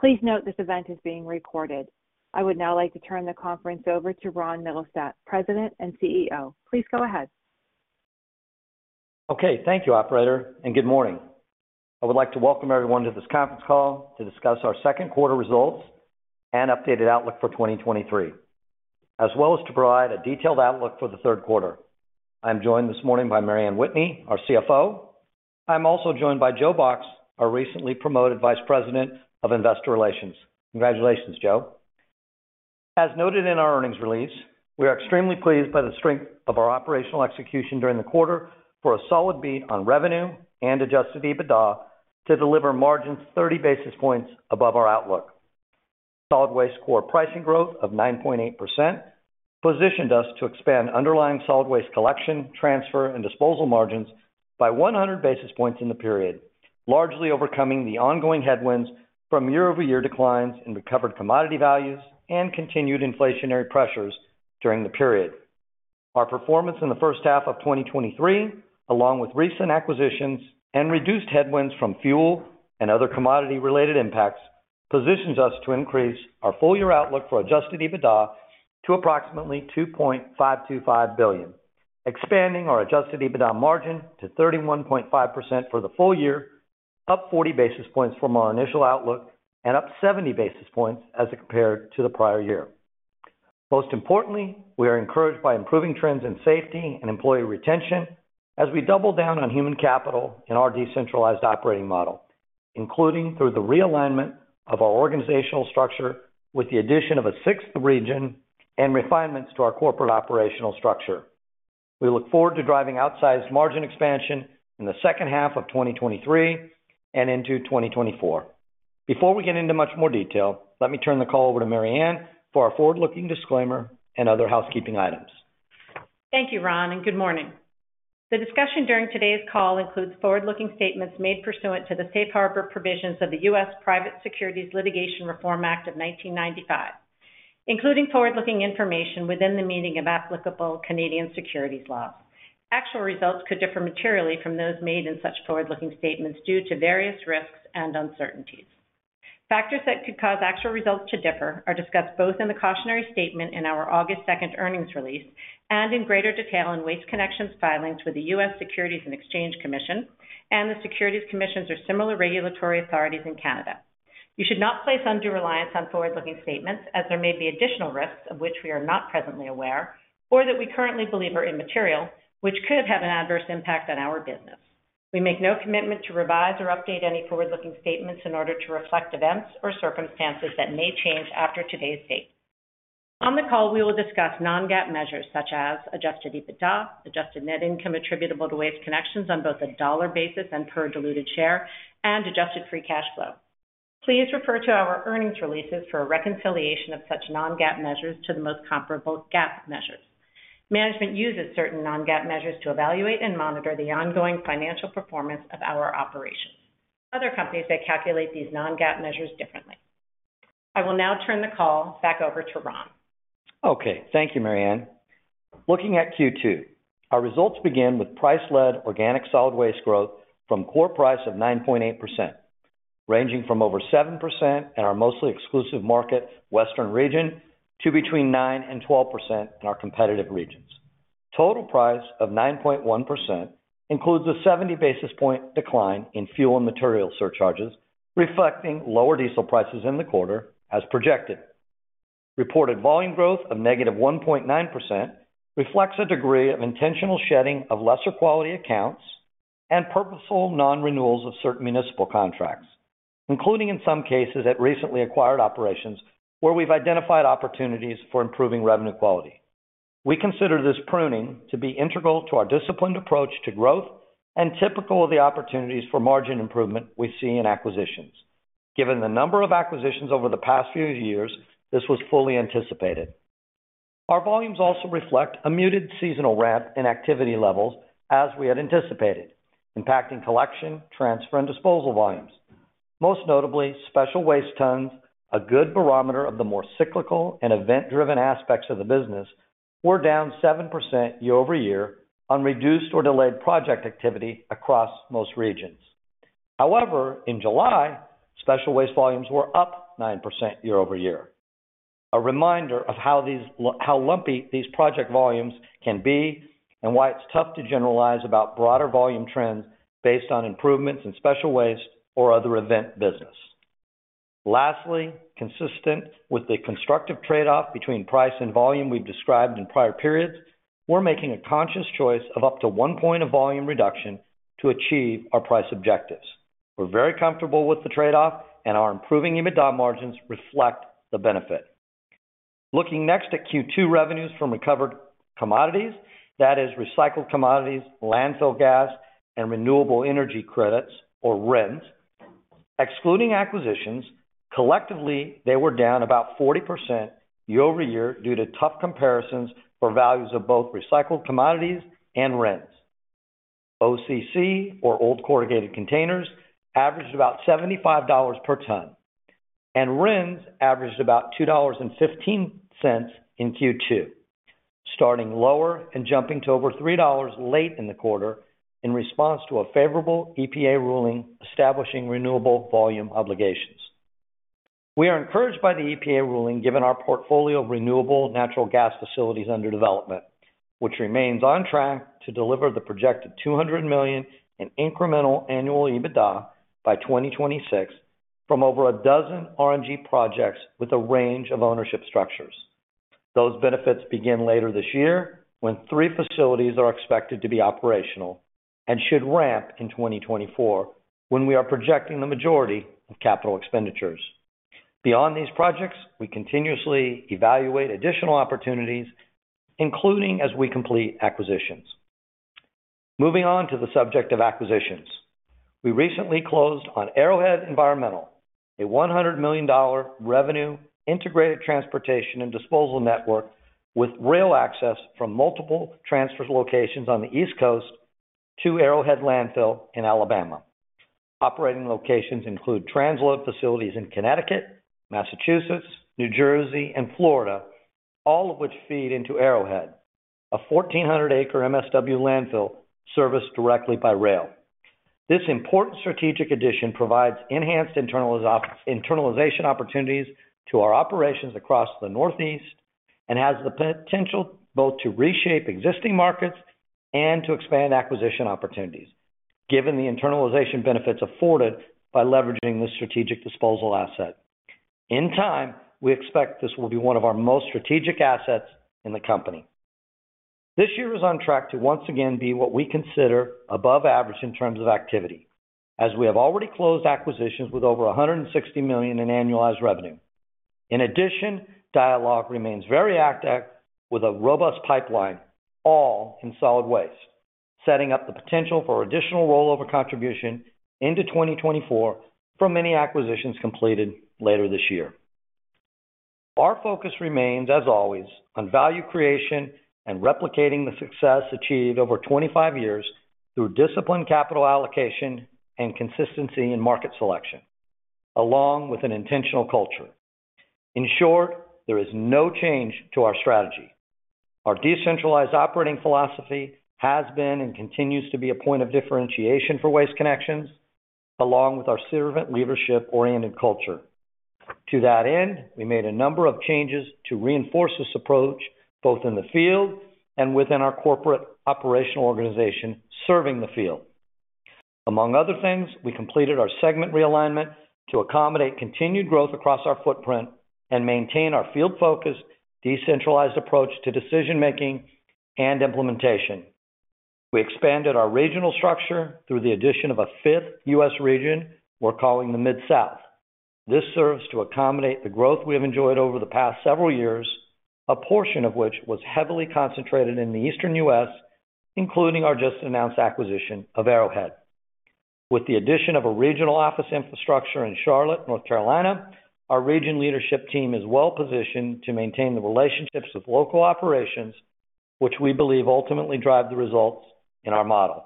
Please note this event is being recorded. I would now like to turn the conference over to Ron Mittelstaedt, President and CEO. Please go ahead. Okay. Thank you, operator, and good morning. I would like to welcome everyone to this conference call to discuss our second quarter results and updated outlook for 2023, as well as to provide a detailed outlook for the third quarter. I'm joined this morning by Mary Anne Whitney, our CFO. I'm also joined by Joe Box, our recently promoted Vice President of Investor Relations. Congratulations, Joe. As noted in our earnings release, we are extremely pleased by the strength of our operational execution during the quarter for a solid beat on revenue and adjusted EBITDA to deliver margins 30 basis points above our outlook. Solid waste core pricing growth of 9.8% positioned us to expand underlying solid waste collection, transfer, and disposal margins by 100 basis points in the period, largely overcoming the ongoing headwinds from year-over-year declines in recovered commodity values and continued inflationary pressures during the period. Our performance in the first half of 2023, along with recent acquisitions and reduced headwinds from fuel and other commodity-related impacts, positions us to increase our full-year outlook for adjusted EBITDA to approximately $2.525 billion, expanding our adjusted EBITDA margin to 31.5% for the full year, up 40 basis points from our initial outlook and up 70 basis points as compared to the prior year. Most importantly, we are encouraged by improving trends in safety and employee retention as we double down on human capital in our decentralized operating model, including through the realignment of our organizational structure, with the addition of a sixth region and refinements to our corporate operational structure. We look forward to driving outsized margin expansion in the second half of 2023 and into 2024. Before we get into much more detail, let me turn the call over to Mary Anne for our forward-looking disclaimer and other housekeeping items. Thank you, Ron, and good morning. The discussion during today's call includes forward-looking statements made pursuant to the Safe Harbor Provisions of the U.S. Private Securities Litigation Reform Act of 1995, including forward-looking information within the meaning of applicable Canadian securities laws. Actual results could differ materially from those made in such forward-looking statements due to various risks and uncertainties. Factors that could cause actual results to differ are discussed both in the cautionary statement in our August 2nd earnings release and in greater detail in Waste Connections' filings with the U.S. Securities and Exchange Commission and the Securities Commissions or similar regulatory authorities in Canada. You should not place undue reliance on forward-looking statements as there may be additional risks of which we are not presently aware, or that we currently believe are immaterial, which could have an adverse impact on our business. We make no commitment to revise or update any forward-looking statements in order to reflect events or circumstances that may change after today's date. On the call, we will discuss non-GAAP measures such as adjusted EBITDA, adjusted net income attributable to Waste Connections on both a dollar basis and per diluted share, and adjusted free cash flow. Please refer to our earnings releases for a reconciliation of such non-GAAP measures to the most comparable GAAP measures. Management uses certain non-GAAP measures to evaluate and monitor the ongoing financial performance of our operations. Other companies may calculate these non-GAAP measures differently. I will now turn the call back over to Ron. Okay. Thank you, Mary Anne. Looking at Q2, our results begin with price-led organic solid waste growth from core price of 9.8%, ranging from over 7% in our mostly exclusive market, Western region, to between 9%-12% in our competitive regions. Total price of 9.1% includes a 70 basis point decline in fuel and material surcharges, reflecting lower diesel prices in the quarter as projected. Reported volume growth of negative 1.9% reflects a degree of intentional shedding of lesser quality accounts and purposeful non-renewals of certain municipal contracts, including, in some cases, at recently acquired operations, where we've identified opportunities for improving revenue quality. We consider this pruning to be integral to our disciplined approach to growth and typical of the opportunities for margin improvement we see in acquisitions. Given the number of acquisitions over the past few years, this was fully anticipated. Our volumes also reflect a muted seasonal ramp in activity levels, as we had anticipated, impacting collection, transfer, and disposal volumes. Most notably, special waste tons, a good barometer of the more cyclical and event-driven aspects of the business, were down 7% year-over-year on reduced or delayed project activity across most regions. In July, special waste volumes were up 9% year-over-year. A reminder of how lumpy these project volumes can be and why it's tough to generalize about broader volume trends based on improvements in special waste or other event business. Consistent with the constructive trade-off between price and volume we've described in prior periods, we're making a conscious choice of up to one point of volume reduction to achieve our price objectives. We're very comfortable with the trade-off and our improving EBITDA margins reflect the benefit. Looking next at Q2 revenues from recovered commodities, that is recycled commodities, landfill gas, and renewable energy credits or RECs. Excluding acquisitions, collectively, they were down about 40% year-over-year due to tough comparisons for values of both recycled commodities and RECs. OCC, or old corrugated containers, averaged about $75 per ton, and RECs averaged about $2.15 in Q2, starting lower and jumping to over $3 late in the quarter in response to a favorable EPA ruling, establishing renewable volume obligations. We are encouraged by the EPA ruling, given our portfolio of renewable natural gas facilities under development, which remains on track to deliver the projected $200 million in incremental annual EBITDA by 2026 from over a dozen RNG projects with a range of ownership structures. Those benefits begin later this year, when three facilities are expected to be operational and should ramp in 2024, when we are projecting the majority of capital expenditures. Beyond these projects, we continuously evaluate additional opportunities, including as we complete acquisitions. Moving on to the subject of acquisitions. We recently closed on Arrowhead Environmental, a $100 million revenue integrated transportation and disposal network with rail access from multiple transfer locations on the East Coast to Arrowhead Landfill in Alabama. Operating locations include transload facilities in Connecticut, Massachusetts, New Jersey, and Florida, all of which feed into Arrowhead, a 1,400 acre MSW landfill serviced directly by rail. This important strategic addition provides enhanced internalization opportunities to our operations across the Northeast and has the potential both to reshape existing markets and to expand acquisition opportunities, given the internalization benefits afforded by leveraging this strategic disposal asset. In time, we expect this will be one of our most strategic assets in the company. This year is on track to once again be what we consider above average in terms of activity, as we have already closed acquisitions with over $160 million in annualized revenue. In addition, dialogue remains very active, with a robust pipeline, all in solid waste, setting up the potential for additional rollover contribution into 2024 from any acquisitions completed later this year. Our focus remains, as always, on value creation and replicating the success achieved over 25 years through disciplined capital allocation and consistency in market selection, along with an intentional culture. In short, there is no change to our strategy. Our decentralized operating philosophy has been and continues to be a point of differentiation for Waste Connections, along with our servant leadership-oriented culture. To that end, we made a number of changes to reinforce this approach, both in the field and within our corporate operational organization, serving the field. Among other things, we completed our segment realignment to accommodate continued growth across our footprint and maintain our field-focused, decentralized approach to decision-making and implementation. We expanded our regional structure through the addition of a fifth U.S., region we're calling the Mid-South. This serves to accommodate the growth we have enjoyed over the past several years, a portion of which was heavily concentrated in the Eastern U.S., including our just-announced acquisition of Arrowhead. With the addition of a regional office infrastructure in Charlotte, North Carolina, our region leadership team is well-positioned to maintain the relationships with local operations, which we believe ultimately drive the results in our model.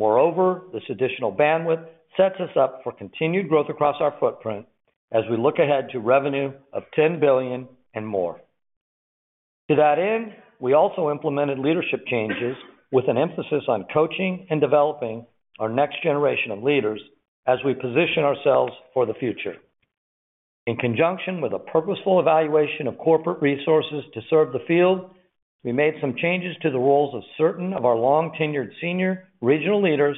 Moreover, this additional bandwidth sets us up for continued growth across our footprint as we look ahead to revenue of $10 billion and more. To that end, we also implemented leadership changes with an emphasis on coaching and developing our next generation of leaders as we position ourselves for the future. In conjunction with a purposeful evaluation of corporate resources to serve the field, we made some changes to the roles of certain of our long-tenured senior regional leaders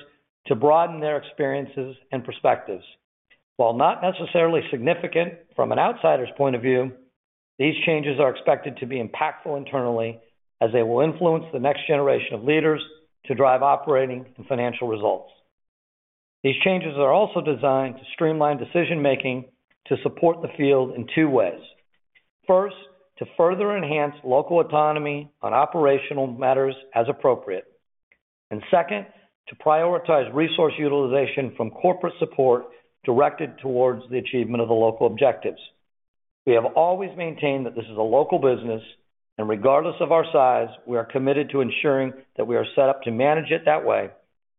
to broaden their experiences and perspectives. While not necessarily significant from an outsider's point of view, these changes are expected to be impactful internally as they will influence the next generation of leaders to drive operating and financial results. These changes are also designed to streamline decision-making to support the field in two ways. First, to further enhance local autonomy on operational matters as appropriate. Second, to prioritize resource utilization from corporate support directed towards the achievement of the local objectives. We have always maintained that this is a local business, and regardless of our size, we are committed to ensuring that we are set up to manage it that way,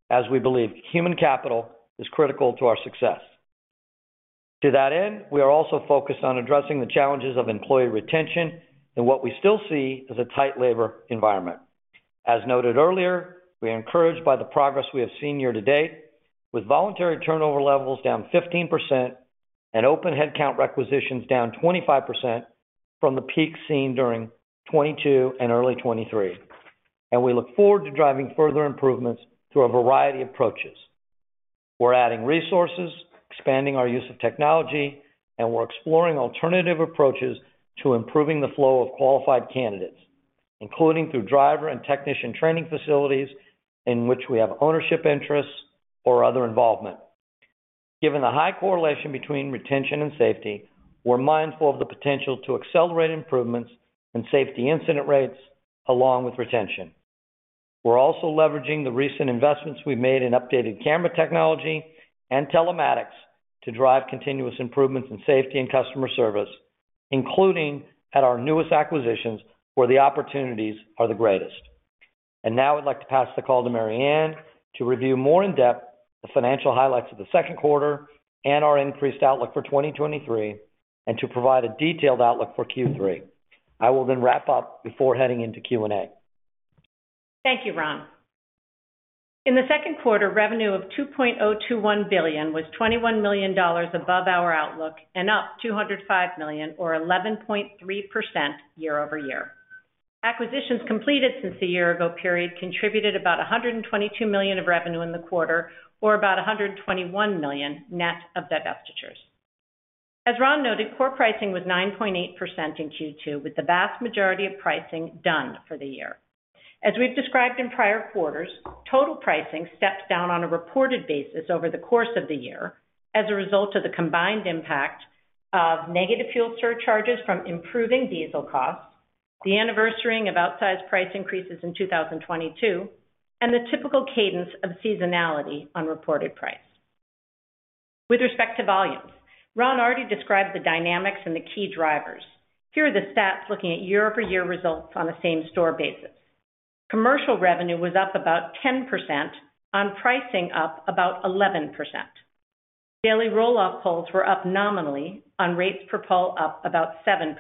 as we believe human capital is critical to our success. To that end, we are also focused on addressing the challenges of employee retention and what we still see as a tight labor environment. As noted earlier, we are encouraged by the progress we have seen year-to-date, with voluntary turnover levels down 15% and open headcount requisitions down 25% from the peak seen during 2022 and early 2023. We look forward to driving further improvements through a variety of approaches. We're adding resources, expanding our use of technology, and we're exploring alternative approaches to improving the flow of qualified candidates, including through driver and technician training facilities in which we have ownership interests or other involvement. Given the high correlation between retention and safety, we're mindful of the potential to accelerate improvements in safety incident rates along with retention. We're also leveraging the recent investments we've made in updated camera technology and telematics to drive continuous improvements in safety and customer service, including at our newest acquisitions, where the opportunities are the greatest. Now I'd like to pass the call to Mary Anne to review more in depth the financial highlights of the second quarter and our increased outlook for 2023, and to provide a detailed outlook for Q3. I will then wrap up before heading into Q&A. Thank you, Ron. In the second quarter, revenue of $2.021 billion was $21 million above our outlook and up $205 million, or 11.3% year-over-year. Acquisitions completed since the year ago period contributed about $122 million of revenue in the quarter, or about $121 million net of divestitures. As Ron noted, core pricing was 9.8% in Q2, with the vast majority of pricing done for the year. As we've described in prior quarters, total pricing steps down on a reported basis over the course of the year as a result of the combined impact of negative fuel surcharges from improving diesel costs, the anniversarying of outsized price increases in 2022, and the typical cadence of seasonality on reported price. With respect to volumes, Ron already described the dynamics and the key drivers. Here are the stats looking at year-over-year results on a same-store basis. Commercial revenue was up about 10% on pricing up about 11%. Daily roll-off pulls were up nominally on rates per pull, up about 7%,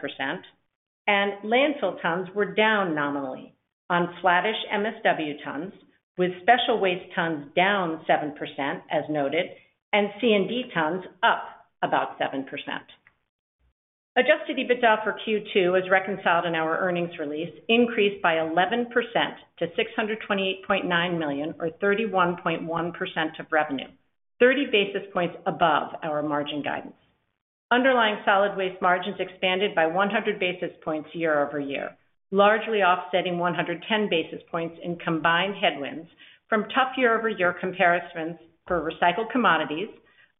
and landfill tons were down nominally on flattish MSW tons, with special waste tons down 7%, as noted, and C&D tons up about 7%. Adjusted EBITDA for Q2 is reconciled in our earnings release, increased by 11% to $628.9 million, or 31.1% of revenue, 30 basis points above our margin guidance. Underlying solid waste margins expanded by 100 basis points year-over-year, largely offsetting 110 basis points in combined headwinds from tough year-over-year comparisons for recycled commodities,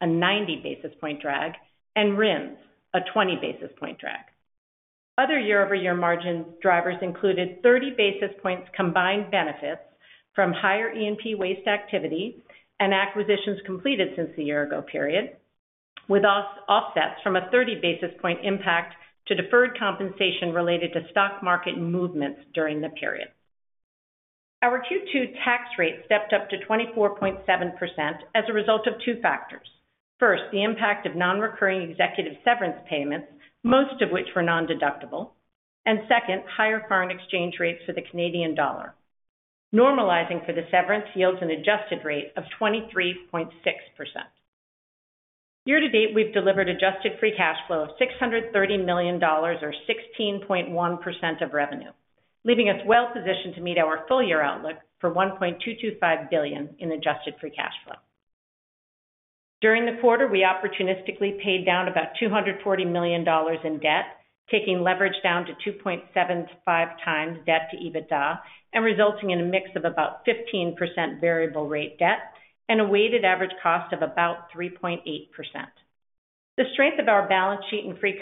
a 90 basis point drag, and RINS, a 20 basis point drag. Other year-over-year margin drivers included 30 basis points, combined benefits from higher E&P waste activity and acquisitions completed since the year-ago period, with off-offsets from a 30 basis point impact to deferred compensation related to stock market movements during the period. Our Q2 tax rate stepped up to 24.7% as a result of two factors. First, the impact of non-recurring executive severance payments, most of which were nondeductible. Second, higher foreign exchange rates for the Canadian dollar. Normalizing for the severance, yields an adjusted rate of 23.6%. Year to date, we've delivered adjusted free cash flow of $630 million, or 16.1% of revenue, leaving us well positioned to meet our full year outlook for $1.225 billion in adjusted free cash flow. During the quarter, we opportunistically paid down about $240 million in debt, taking leverage down to 2.75 times debt to EBITDA and resulting in a mix of about 15% variable rate debt and a weighted average cost of about 3.8%. The strength of our balance sheet and free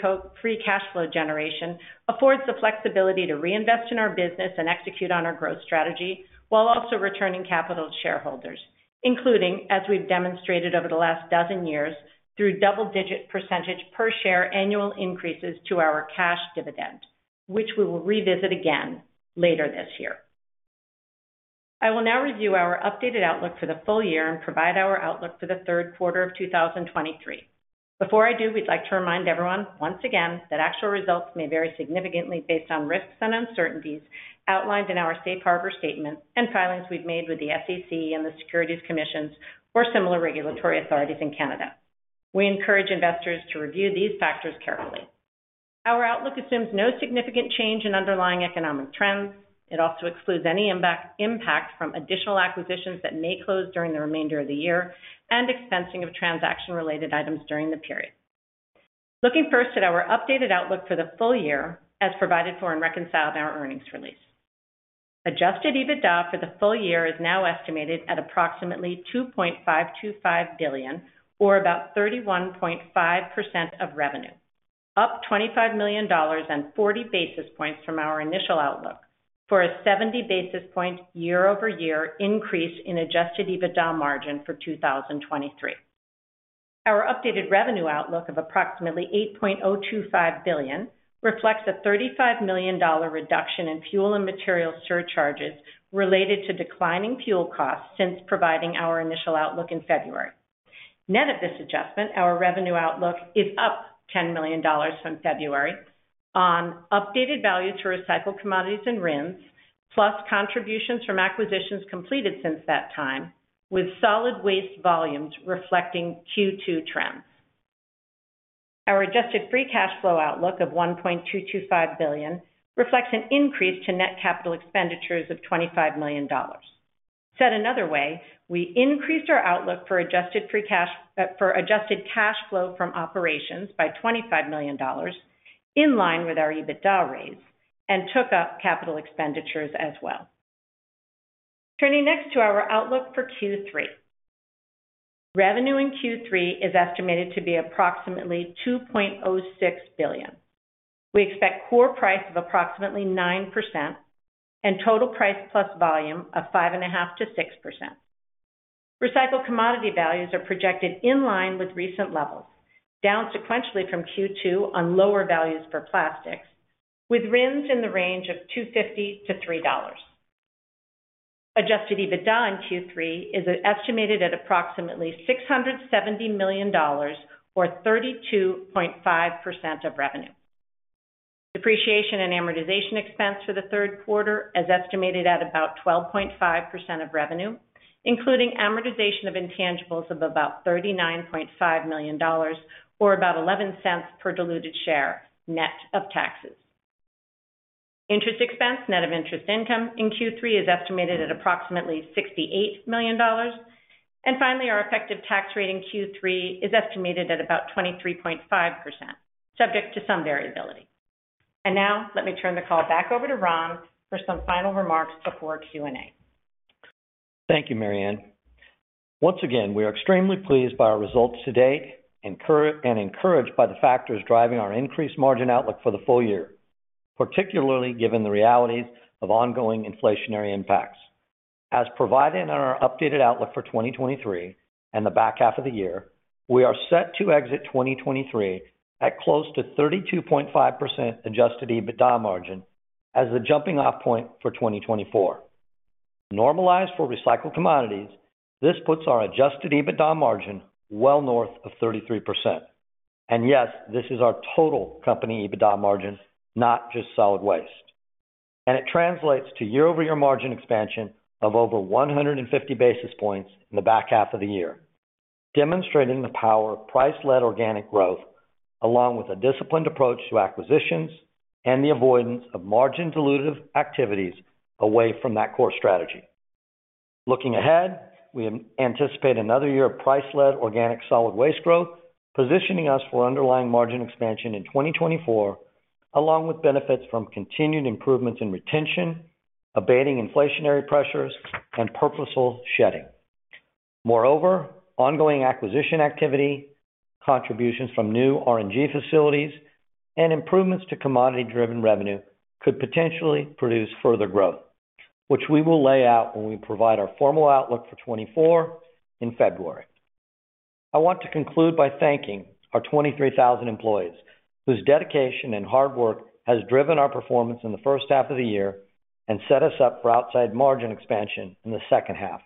cash flow generation affords the flexibility to reinvest in our business and execute on our growth strategy, while also returning capital to shareholders, including, as we've demonstrated over the last 12 years, through double-digit % per share annual increases to our cash dividend, which we will revisit again later this year. I will now review our updated outlook for the full year and provide our outlook for the third quarter of 2023. Before I do, we'd like to remind everyone once again that actual results may vary significantly based on risks and uncertainties outlined in our safe harbor statement and filings we've made with the SEC and the Securities Commissions or similar regulatory authorities in Canada. We encourage investors to review these factors carefully. Our outlook assumes no significant change in underlying economic trends. It also excludes any impact, impact from additional acquisitions that may close during the remainder of the year and expensing of transaction-related items during the period. Looking first at our updated outlook for the full year, as provided for and reconciled in our earnings release. Adjusted EBITDA for the full year is now estimated at approximately $2.525 billion, or about 31.5% of revenue, up $25 million and 40 basis points from our initial outlook, for a 70 basis point year-over-year increase in Adjusted EBITDA margin for 2023. Our updated revenue outlook of approximately $8.025 billion reflects a $35 million reduction in fuel and material surcharges related to declining fuel costs since providing our initial outlook in February. Net of this adjustment, our revenue outlook is up $10 million from February on updated value to recycled commodities and RINS, plus contributions from acquisitions completed since that time, with solid waste volumes reflecting Q2 trends. Our adjusted free cash flow outlook of $1.225 billion reflects an increase to net capital expenditures of $25 million. Said another way, we increased our outlook for adjusted free cash-- for adjusted cash flow from operations by $25 million, in line with our EBITDA raise, and took up capital expenditures as well. Turning next to our outlook for Q3. Revenue in Q3 is estimated to be approximately $2.06 billion. We expect core price of approximately 9% and total price plus volume of 5.5%-6%. Recycled commodity values are projected in line with recent levels, down sequentially from Q2 on lower values for plastics, with RINs in the range of $2.50-$3. Adjusted EBITDA in Q3 is estimated at approximately $670 million, or 32.5% of revenue. Depreciation and amortization expense for the third quarter is estimated at about 12.5% of revenue, including amortization of intangibles of about $39.5 million, or about $0.11 per diluted share, net of taxes. Interest expense, net of interest income in Q3, is estimated at approximately $68 million. Finally, our effective tax rate in Q3 is estimated at about 23.5%, subject to some variability. Now, let me turn the call back over to Ron for some final remarks before Q&A. Thank you, Mary Anne. Once again, we are extremely pleased by our results to date, and encouraged by the factors driving our increased margin outlook for the full year, particularly given the realities of ongoing inflationary impacts. As provided in our updated outlook for 2023 and the back half of the year, we are set to exit 2023 at close to 32.5% adjusted EBITDA margin as the jumping-off point for 2024. Normalized for recycled commodities, this puts our adjusted EBITDA margin well north of 33%. Yes, this is our total company EBITDA margin, not just solid waste. It translates to year-over-year margin expansion of over 150 basis points in the back half of the year, demonstrating the power of price-led organic growth, along with a disciplined approach to acquisitions and the avoidance of margin-dilutive activities away from that core strategy. Looking ahead, we anticipate another year of price-led organic solid waste growth, positioning us for underlying margin expansion in 2024, along with benefits from continued improvements in retention, abating inflationary pressures, and purposeful shedding. Ongoing acquisition activity, contributions from new RNG facilities, and improvements to commodity-driven revenue could potentially produce further growth, which we will lay out when we provide our formal outlook for 2024 in February. I want to conclude by thanking our 23,000 employees, whose dedication and hard work has driven our performance in the first half of the year and set us up for outside margin expansion in the second half.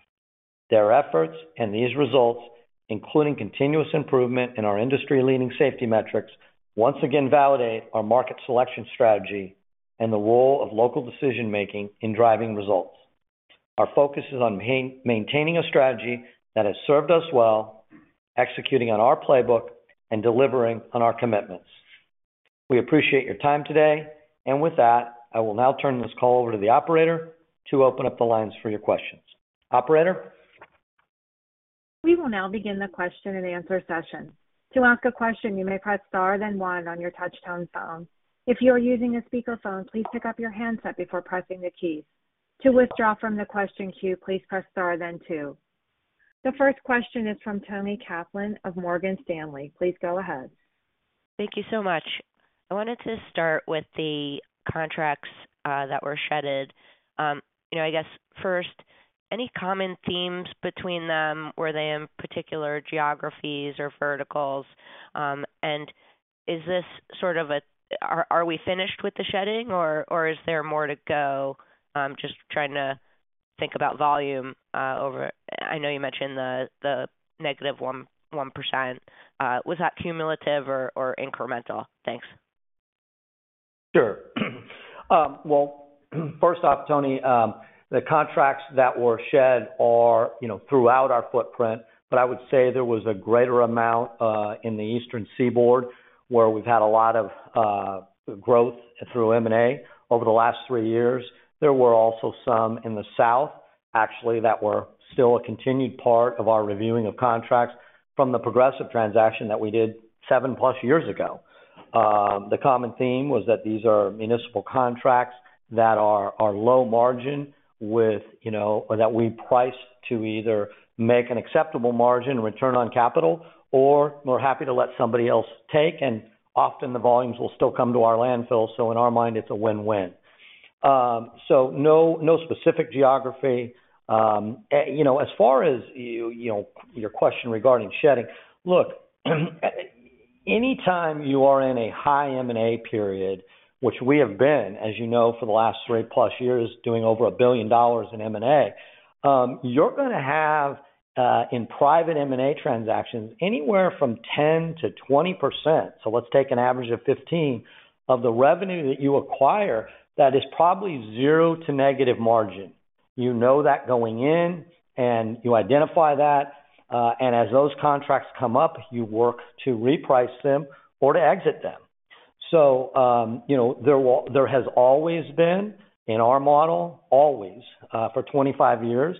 Their efforts and these results, including continuous improvement in our industry-leading safety metrics, once again validate our market selection strategy and the role of local decision-making in driving results. Our focus is on maintaining a strategy that has served us well, executing on our playbook, and delivering on our commitments. We appreciate your time today. With that, I will now turn this call over to the operator to open up the lines for your questions. Operator? We will now begin the question-and-answer session. To ask a question, you may press *, then one on your touch-tone phone. If you are using a speakerphone, please pick up your handset before pressing the keys. To withdraw from the question queue, please press *, then two. The first question is from Toni Kaplan of Morgan Stanley. Please go ahead. Thank you so much. I wanted to start with the contracts that were shedded. You know, I guess first, any common themes between them? Were they in particular geographies or verticals? Is this sort of, are we finished with the shedding, or is there more to go? Just trying to think about volume over... I know you mentioned the -1.1%. Was that cumulative or incremental? Thanks. Sure. Well, first off, Toni, the contracts that were shed are, you know, throughout our footprint, but I would say there was a greater amount in the Eastern Seaboard, where we've had a lot of growth through M&A over the last 3 years. There were also some in the South, actually, that were still a continued part of our reviewing of contracts from the Progressive transaction that we did 7+ years ago. The common theme was that these are municipal contracts that are, are low margin with, you know, or that we price to either make an acceptable margin return on capital, or we're happy to let somebody else take, and often the volumes will still come to our landfill. In our mind, it's a win-win. No, no specific geography. You know, as far as you know, your question regarding shedding, look, anytime you are in a high M&A period, which we have been, as you know, for the last 3-plus years, doing over $1 billion in M&A, you're gonna have, in private M&A transactions, anywhere from 10%-20%. Let's take an average of 15, of the revenue that you acquire, that is probably 0 to negative margin. You know that going in, and you identify that, and as those contracts come up, you work to reprice them or to exit them. You know, there has always been, in our model, always, for 25 years,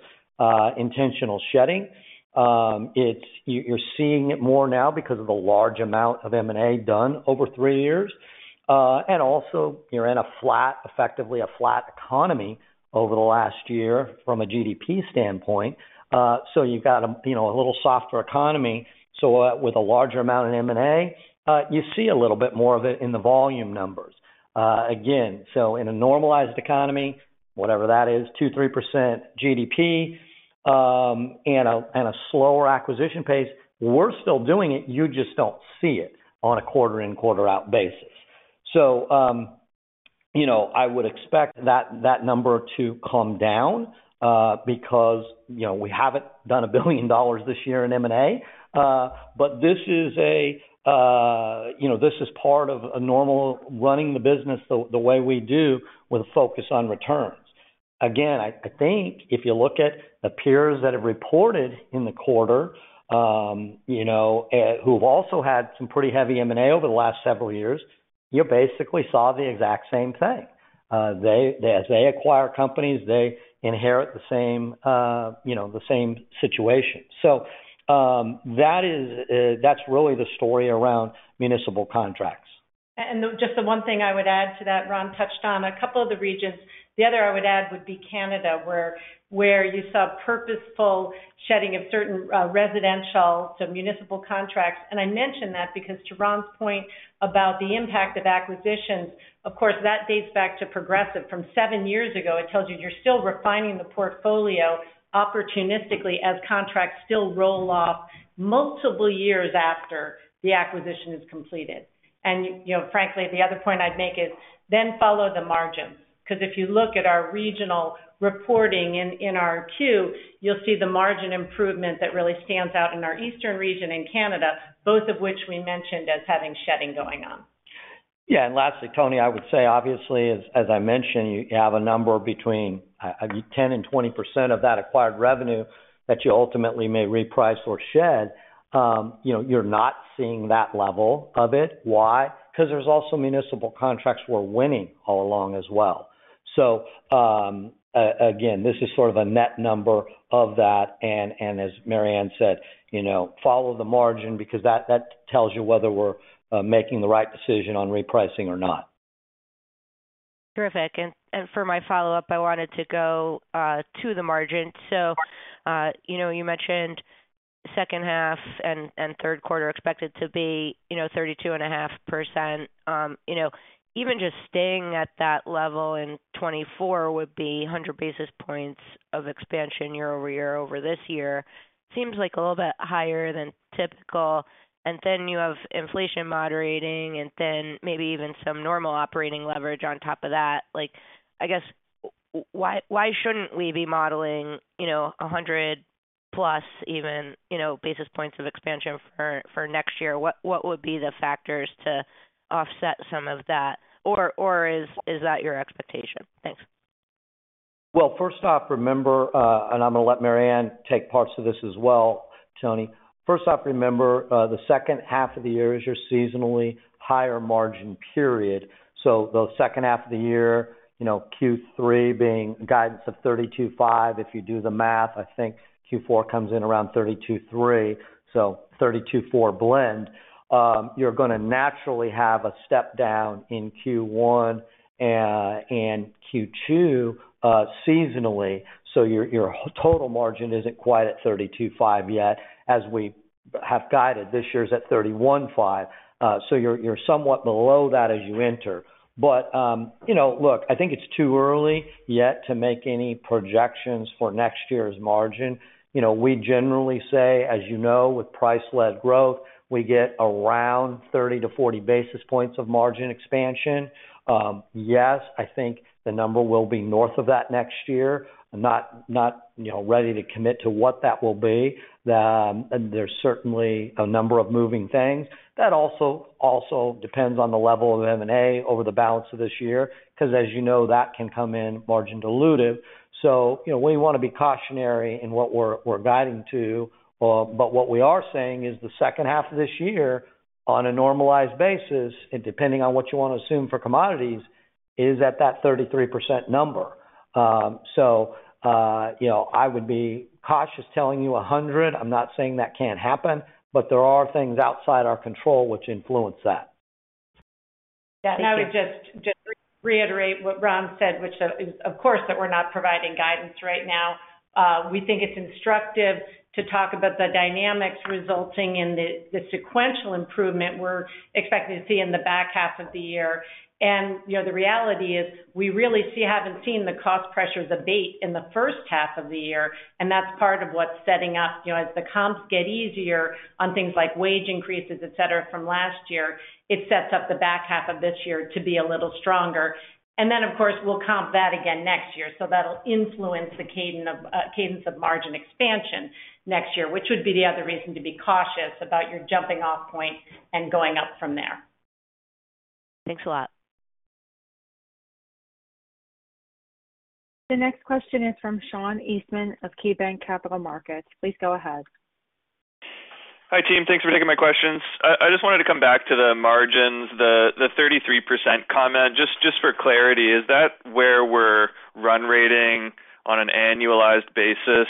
intentional shedding. You're seeing it more now because of the large amount of M&A done over 3 years. Also, you're in a flat, effectively a flat economy over the last year from a GDP standpoint. You've got a, you know, a little softer economy. With a larger amount of M&A, you see a little bit more of it in the volume numbers. Again, in a normalized economy, whatever that is, 2%, 3% GDP, and a slower acquisition pace. We're still doing it, you just don't see it on a quarter-in, quarter-out basis. You know, I would expect that, that number to come down because, you know, we haven't done $1 billion this year in M&A. This is a, you know, this is part of a normal running the business the way we do with a focus on returns. Again, I, I think if you look at the peers that have reported in the quarter, you know, who've also had some pretty heavy M&A over the last several years, you basically saw the exact same thing. As they acquire companies, they inherit the same, you know, the same situation. That is, that's really the story around municipal contracts. Just the one thing I would add to that, Ron touched on a couple of the regions. The other I would add would be Canada, where you saw purposeful shedding of certain residential to municipal contracts. I mention that because to Ron's point about the impact of acquisitions, of course, that dates back to Progressive from 7 years ago. It tells you you're still refining the portfolio opportunistically as contracts still roll off multiple years after the acquisition is completed. You know, frankly, the other point I'd make is then follow the margins, because if you look at our regional reporting in our Q, you'll see the margin improvement that really stands out in our eastern region in Canada, both of which we mentioned as having shedding going on. Yeah. Lastly, Tony, I would say, obviously, as, as I mentioned, you have a number between 10% and 20% of that acquired revenue that you ultimately may reprice or shed. You know, you're not seeing that level of it. Why? Because there's also municipal contracts we're winning all along as well. Again, this is sort of a net number of that, and, and as Mary Anne said, you know, follow the margin because that, that tells you whether we're making the right decision on repricing or not. Terrific. For my follow-up, I wanted to go to the margin. You know, you mentioned second half and third quarter expected to be, you know, 32.5%. You know, even just staying at that level in 2024 would be 100 basis points of expansion year-over-year over this year. Seems like a little bit higher than typical. Then you have inflation moderating, then maybe even some normal operating leverage on top of that. I guess, why, why shouldn't we be modeling, you know, 100 plus even, you know, basis points of expansion for next year? What, what would be the factors to offset some of that? Is that your expectation? Thanks. Well, first off, remember, and I'm going to let Mary Anne take parts of this as well, Tony. First off, remember, the second half of the year is your seasonally higher margin period. The second half of the year, you know, Q3 being guidance of 32.5, if you do the math, I think Q4 comes in around 32.3, so 32.4 blend. You're going to naturally have a step down in Q1 and Q2 seasonally, so your, your total margin isn't quite at 32.5 yet, as we have guided. This year's at 31.5, so you're, you're somewhat below that as you enter. You know, look, I think it's too early yet to make any projections for next year's margin. You know, we generally say, as you know, with price-led growth, we get around 30-40 basis points of margin expansion. Yes, I think the number will be north of that next year. Not, not, you know, ready to commit to what that will be. There's certainly a number of moving things. That also, also depends on the level of M&A over the balance of this year, because as you know, that can come in margin dilutive. You know, we want to be cautionary in what we're, we're guiding to. What we are saying is the second half of this year, on a normalized basis, and depending on what you want to assume for commodities, is at that 33% number. You know, I would be cautious telling you 100. I'm not saying that can't happen, but there are things outside our control which influence that. Yeah, I would just, just reiterate what Ron said, which is, of course, that we're not providing guidance right now. We think it's instructive to talk about the dynamics resulting in the, the sequential improvement we're expecting to see in the back half of the year. You know, the reality is, we really haven't seen the cost pressures abate in the first half of the year, and that's part of what's setting up. You know, as the comps get easier on things like wage increases, et cetera, from last year, it sets up the back half of this year to be a little stronger. Then, of course, we'll comp that again next year, so that'll influence the cadence of cadence of margin expansion next year, which would be the other reason to be cautious about your jumping-off point and going up from there. Thanks a lot. The next question is from Sean Eastman of KeyBank Capital Markets. Please go ahead. Hi, team. Thanks for taking my questions. I just wanted to come back to the margins, the 33% comment. Just for clarity, is that where we're run rating on an annualized basis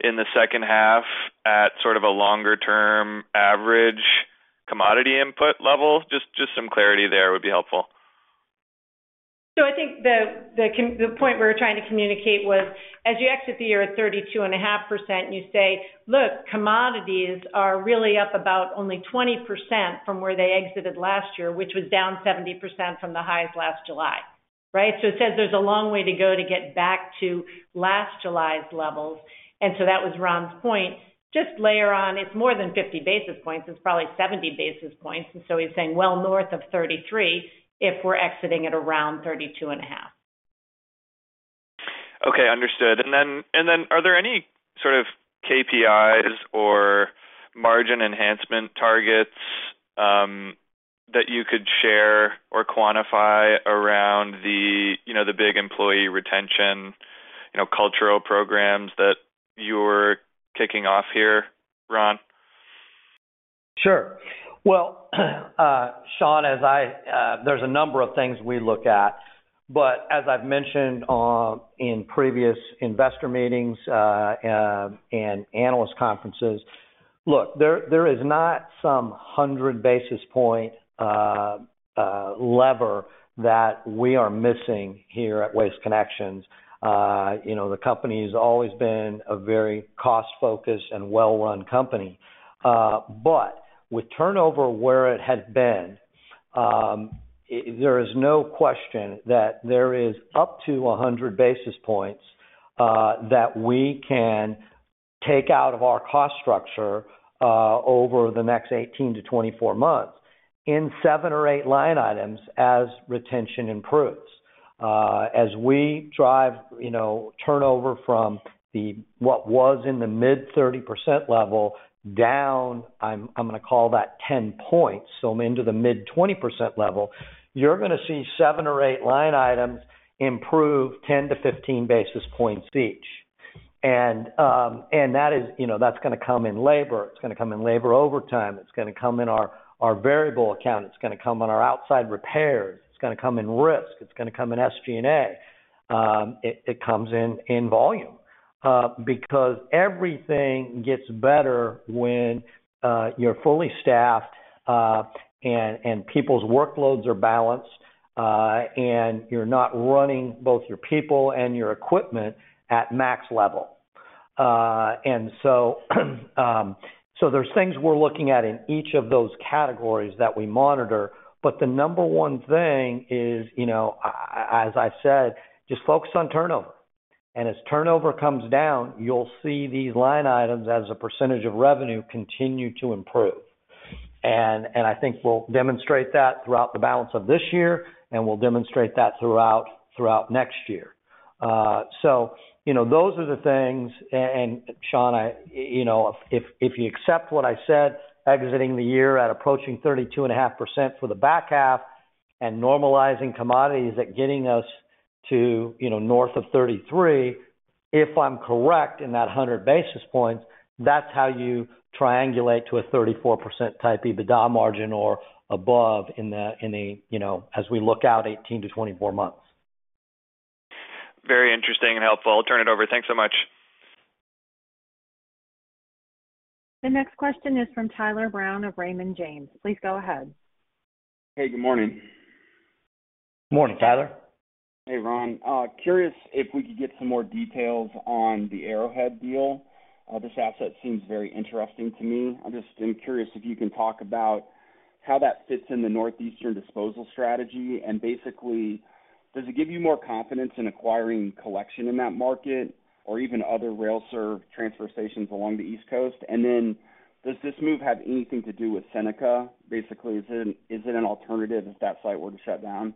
in the second half at sort of a longer-term average commodity input level? Just some clarity there would be helpful. I think the point we were trying to communicate was, as you exit the year at 32.5%, you say, look, commodities are really up about only 20% from where they exited last year, which was down 70% from the highs last July. Right? It says there's a long way to go to get back to last July's levels, and so that was Ron's point. Just layer on, it's more than 50 basis points, it's probably 70 basis points. He's saying well north of 33, if we're exiting at around 32.5. Okay, understood. Are there any sort of KPIs or margin enhancement targets that you could share or quantify around the, you know, the big employee retention, you know, cultural programs that you're kicking off here, Ron? Sure. Well, Sean, as I, there's a number of things we look at, but as I've mentioned, in previous investor meetings, and analyst conferences, look, there, there is not some 100 basis point lever that we are missing here at Waste Connections. You know, the company's always been a very cost-focused and well-run company. But with turnover where it has been, there is no question that there is up to 100 basis points that we can take out of our cost structure over the next 18-24 months, in 7 or 8 line items as retention improves. As we drive, you know, turnover from the, what was in the mid 30% level down, I'm, I'm gonna call that 10 points, so I'm into the mid 20% level, you're gonna see 7 or 8 line items improve 10-15 basis points each. That is, you know, that's gonna come in labor, it's gonna come in labor overtime, it's gonna come in our, our variable account, it's gonna come on our outside repairs, it's gonna come in risk, it's gonna come in SG&A. It, it comes in, in volume, because everything gets better when you're fully staffed, and, and people's workloads are balanced, and you're not running both your people and your equipment at max level. So, so there's things we're looking at in each of those categories that we monitor, but the number one thing is, you know, as I said, just focus on turnover. As turnover comes down, you'll see these line items as a percentage of revenue, continue to improve. And I think we'll demonstrate that throughout the balance of this year, and we'll demonstrate that throughout, throughout next year. You know, those are the things... Sean, I, you know, if you accept what I said, exiting the year at approaching 32.5% for the back half and normalizing commodities at getting us to, you know, north of 33, if I'm correct in that 100 basis points, that's how you triangulate to a 34% type EBITDA margin or above in a, you know, as we look out 18-24 months. Very interesting and helpful. I'll turn it over. Thanks so much. The next question is from Tyler Brown of Raymond James. Please go ahead. Hey, good morning. Morning, Tyler. Hey, Ron. Curious if we could get some more details on the Arrowhead deal? This asset seems very interesting to me. I'm just, I'm curious if you can talk about how that fits in the northeastern disposal strategy, and basically, does it give you more confidence in acquiring collection in that market or even other rail serve transfer stations along the East Coast? Does this move have anything to do with Seneca? Basically, is it, is it an alternative if that site were to shut down?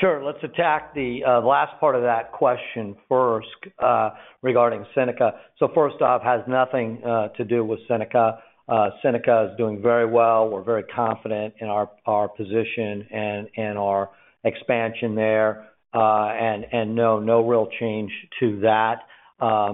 Sure. Let's attack the last part of that question first regarding Seneca. First off, has nothing to do with Seneca. Seneca is doing very well. We're very confident in our, our position and, and our expansion there. And, and no, no real change to that.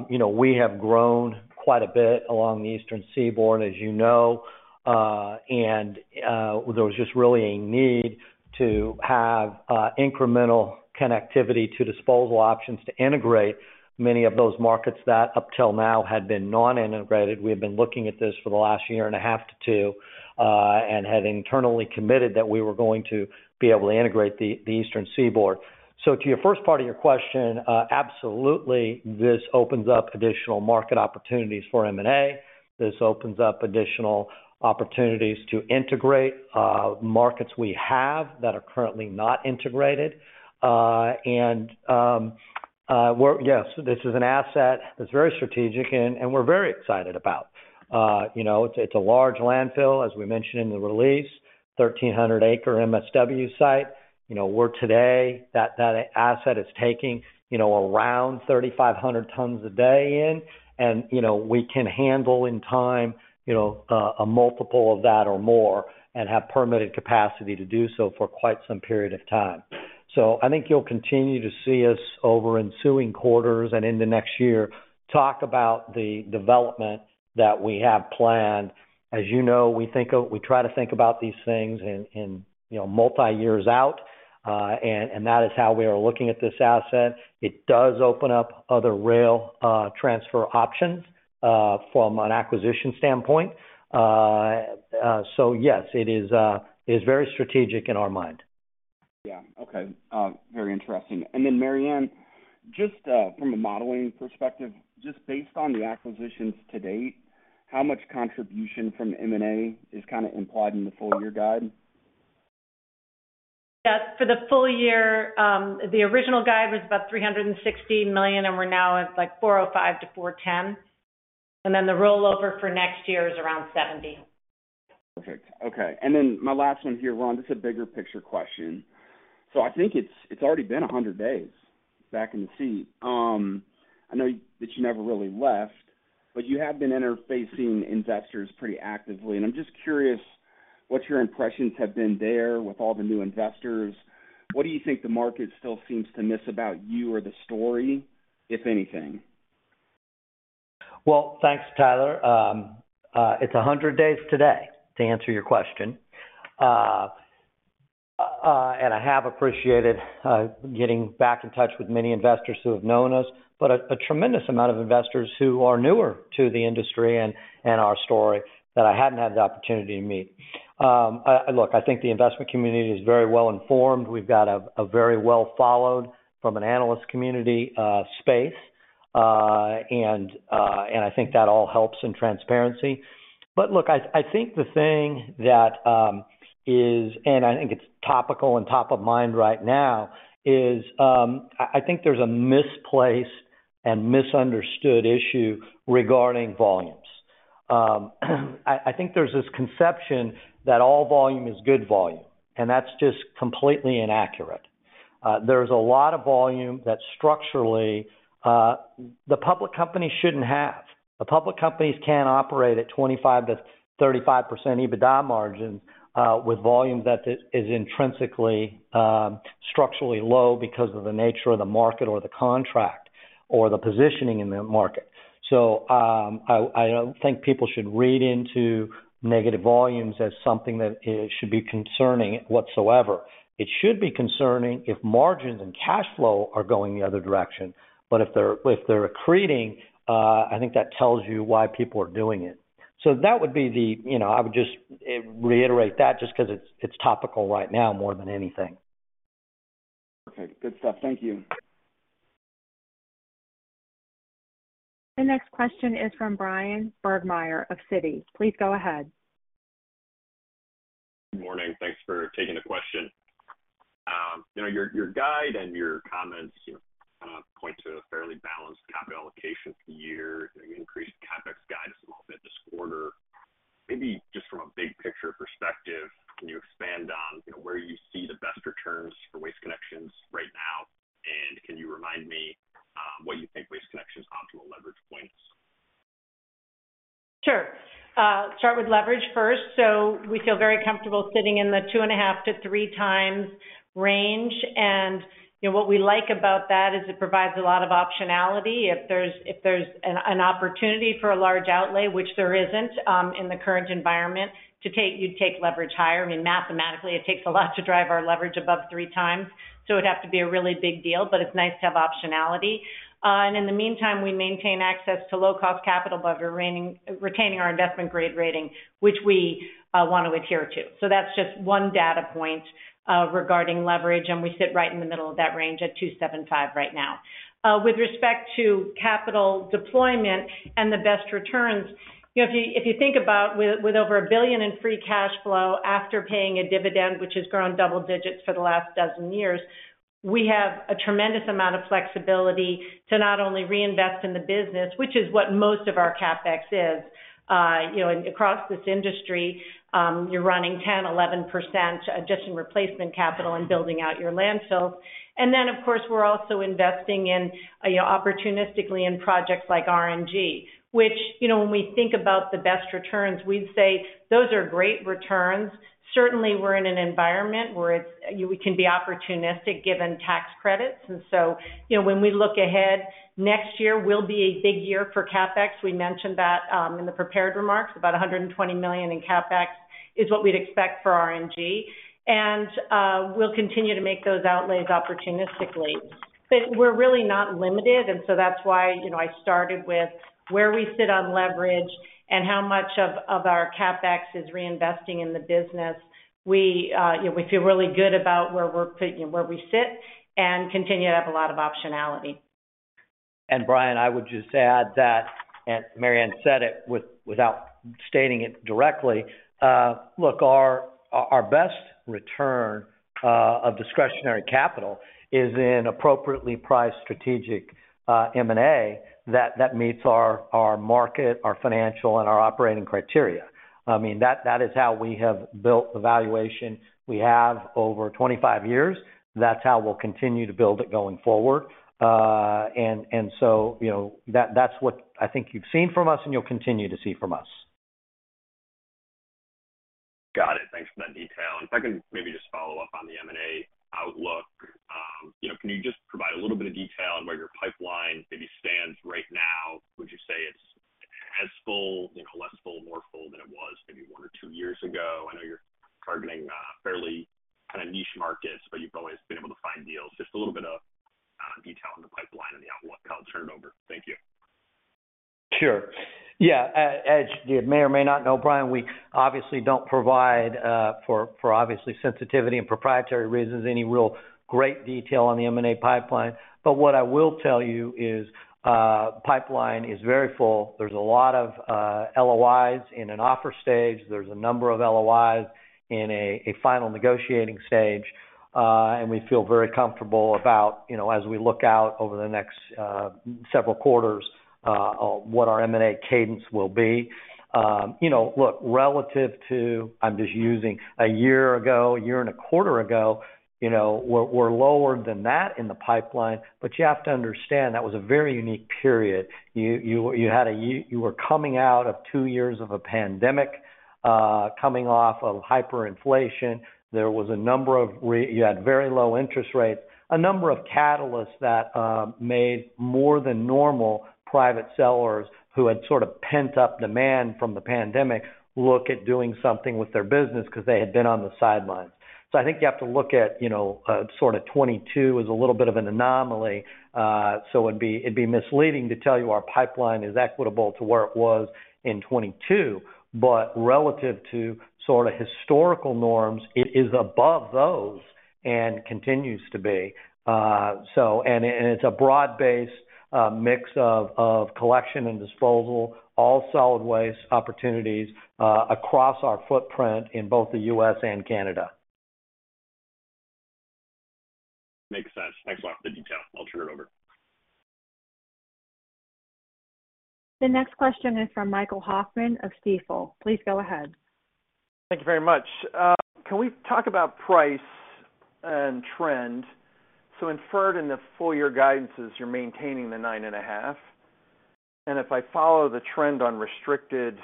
You know, we have grown quite a bit along the Eastern Seaboard, as you know, and there was just really a need to have incremental connectivity to disposal options to integrate many of those markets that up till now had been non-integrated. We had been looking at this for the last year and a half to two, and had internally committed that we were going to be able to integrate the Eastern Seaboard. To your first part of your question, absolutely, this opens up additional market opportunities for M&A. This opens up additional opportunities to integrate, markets we have that are currently not integrated. Well, yes, this is an asset that's very strategic and, and we're very excited about. You know, it's, it's a large landfill, as we mentioned in the release, 1,300 acre MSW site. You know, we're today, that, that asset is taking, you know, around 3,500 tons a day in, and, you know, we can handle in time, you know, a multiple of that or more and have permitted capacity to do so for quite some period of time. I think you'll continue to see us over ensuing quarters and into next year, talk about the development that we have planned. As you know, we try to think about these things in, in, you know, multi-years out, and that is how we are looking at this asset. It does open up other rail, transfer options, from an acquisition standpoint. Yes, it is, it is very strategic in our mind. Yeah. Okay. Very interesting. Then, Mary Anne, just from a modeling perspective, just based on the acquisitions to date, how much contribution from M&A is kind of implied in the full year guide? Yes, for the full year, the original guide was about $360 million, and we're now at $405 million to $410 million. The rollover for next year is around $70 million. Perfect. Okay. My last one here, Ron, this is a bigger picture question. I think it's it's already been 100 days back in the seat. I know that you never really left, but you have been interfacing investors pretty actively, and I'm just curious what your impressions have been there with all the new investors. What do you think the market still seems to miss about you or the story, if anything? Well, thanks, Tyler. It's 100 days today, to answer your question. I have appreciated getting back in touch with many investors who have known us, but a tremendous amount of investors who are newer to the industry and our story that I hadn't had the opportunity to meet. Look, I think the investment community is very well informed. We've got a very well followed, from an analyst community, space. I think that all helps in transparency. Look, I, I think the thing that is, and I think it's topical and top of mind right now, is, I, I think there's a misplaced and misunderstood issue regarding volumes. I, I think there's this conception that all volume is good volume, and that's just completely inaccurate. There's a lot of volume that structurally, the public company shouldn't have. The public companies can't operate at 25%-35% EBITDA margin, with volumes that is, is intrinsically, structurally low because of the nature of the market or the contract or the positioning in the market. I, I don't think people should read into negative volumes as something that should be concerning whatsoever. It should be concerning if margins and cash flow are going the other direction, but if they're, if they're accreting, I think that tells you why people are doing it. That would be the, you know, I would just reiterate that just because it's, it's topical right now more than anything. Okay. Good stuff. Thank you. The next question is from Bryan Burgdoerfer of Citi. Please go ahead. Good morning. Thanks for taking the question. You know, your, your guide and your comments, you know, kind of point to a fairly balanced capital allocation for the year. You increased CapEx guidance a little bit this quarter. Maybe just from a big picture perspective, can you expand on, you know, where you see the best returns for Waste Connections right now? Can you remind me, what you think Waste Connections' optimal leverage point is? Sure. Start with leverage first. We feel very comfortable sitting in the 2.5x-3x range. You know, what we like about that is it provides a lot of optionality. If there's, if there's an opportunity for a large outlay, which there isn't, in the current environment, you'd take leverage higher. I mean, mathematically, it takes a lot to drive our leverage above 3x, so it would have to be a really big deal, but it's nice to have optionality. In the meantime, we maintain access to low-cost capital by retaining our investment grade rating, which we want to adhere to. That's just one data point regarding leverage, and we sit right in the middle of that range at 2.75 right now. With respect to capital deployment and the best returns, you know, if you, if you think about with, with over $1 billion in free cash flow after paying a dividend, which has grown double-digits for the last 12 years, we have a tremendous amount of flexibility to not only reinvest in the business, which is what most of our CapEx is. You know, across this industry, you're running 10%-11% just in replacement capital and building out your landfills. Then, of course, we're also investing in, you know, opportunistically in projects like RNG, which, you know, when we think about the best returns, we'd say those are great returns. Certainly, we're in an environment where it's, we can be opportunistic, given tax credits. So, you know, when we look ahead, next year will be a big year for CapEx. We mentioned that in the prepared remarks, about $120 million in CapEx is what we'd expect for RNG, and we'll continue to make those outlays opportunistically. We're really not limited, so that's why, you know, I started with where we sit on leverage and how much of our CapEx is reinvesting in the business. We, you know, we feel really good about where we're, you know, where we sit and continue to have a lot of optionality. Brian, I would just add that, and Mary Anne said it without stating it directly, look, our, our best return of discretionary capital is in appropriately priced strategic M&A, that, that meets our, our market, our financial, and our operating criteria. I mean, that, that is how we have built the valuation we have over 25 years. That's how we'll continue to build it going forward. You know, that's what I think you've seen from us and you'll continue to see from us. Got it. Thanks for that detail. If I can maybe just follow up on the M&A outlook. You know, can you just provide a little bit of detail on where your pipeline maybe stands right now? Would you say it's as full, you know, less full, more full than it was maybe one or two years ago? I know you're targeting, fairly kind of niche markets, but you've always been able to find deals. Just a little bit of detail on the pipeline and the outlook. I'll turn it over. Thank you. Sure. Yeah, as you may or may not know, Brian, we obviously don't provide, for, for obviously sensitivity and proprietary reasons, any real great detail on the M&A pipeline. What I will tell you is, pipeline is very full. There's a lot of LOIs in an offer stage. There's a number of LOIs in a final negotiating stage, and we feel very comfortable about, you know, as we look out over the next several quarters, on what our M&A cadence will be. You know, look, relative to, I'm just using a year ago, a year and a quarter ago, you know, we're, we're lower than that in the pipeline, but you have to understand that was a very unique period. You, you, you had a you were coming out of two years of a pandemic, coming off of hyperinflation. There was a number of you had very low interest rates, a number of catalysts that made more than normal private sellers who had sort of pent-up demand from the pandemic, look at doing something with their business because they had been on the sidelines. I think you have to look at, you know, sort of 2022 as a little bit of an anomaly. It'd be, it'd be misleading to tell you our pipeline is equitable to where it was in 2022, but relative to sort of historical norms, it is above those and continues to be. It's a broad-based, mix of collection and disposal, all solid waste opportunities, across our footprint in both the U.S., and Canada. Makes sense. Thanks a lot for the detail. I'll turn it over. The next question is from Michael Hoffman of Stifel. Please go ahead. Thank you very much. Can we talk about price and trend? Inferred in the full year guidances, you're maintaining the 9.5%. If I follow the trend on restricted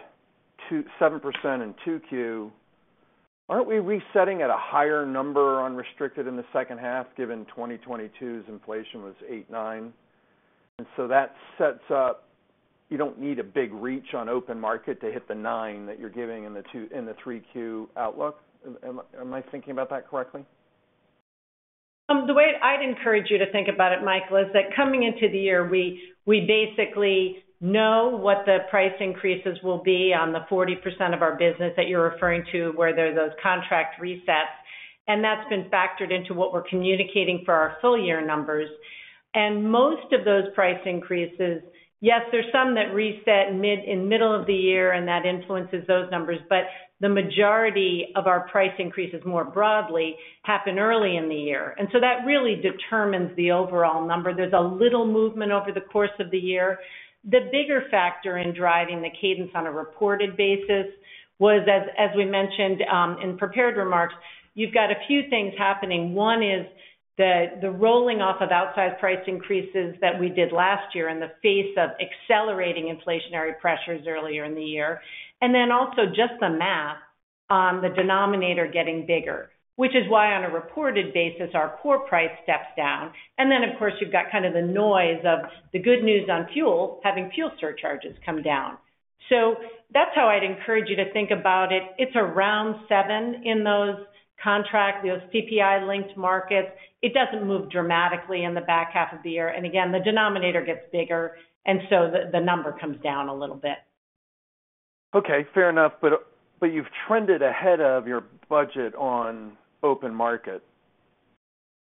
to 7% in 2Q, aren't we resetting at a higher number on restricted in the second half, given 2022's inflation was 8%, 9%? That sets up. You don't need a big reach on open market to hit the 9% that you're giving in the 3Q outlook. Am, am I thinking about that correctly? The way I'd encourage you to think about it, Michael, is that coming into the year, we, we basically know what the price increases will be on the 40% of our business that you're referring to, where there are those contract resets, and that's been factored into what we're communicating for our full year numbers. Most of those price increases, yes, there's some that reset middle of the year, and that influences those numbers, but the majority of our price increases more broadly, happen early in the year. That really determines the overall number. There's a little movement over the course of the year. The bigger factor in driving the cadence on a reported basis was, as, as we mentioned, in prepared remarks, you've got a few things happening. One is the, the rolling off of outside price increases that we did last year in the face of accelerating inflationary pressures earlier in the year. Then also just the math on the denominator getting bigger, which is why, on a reported basis, our core price steps down. Then, of course, you've got kind of the noise of the good news on fuel, having fuel surcharges come down. That's how I'd encourage you to think about it. It's around 7 in those contracts, those CPI-linked markets. It doesn't move dramatically in the back half of the year. Again, the denominator gets bigger, and so the, the number comes down a little bit. Okay, fair enough. You've trended ahead of your budget on open market.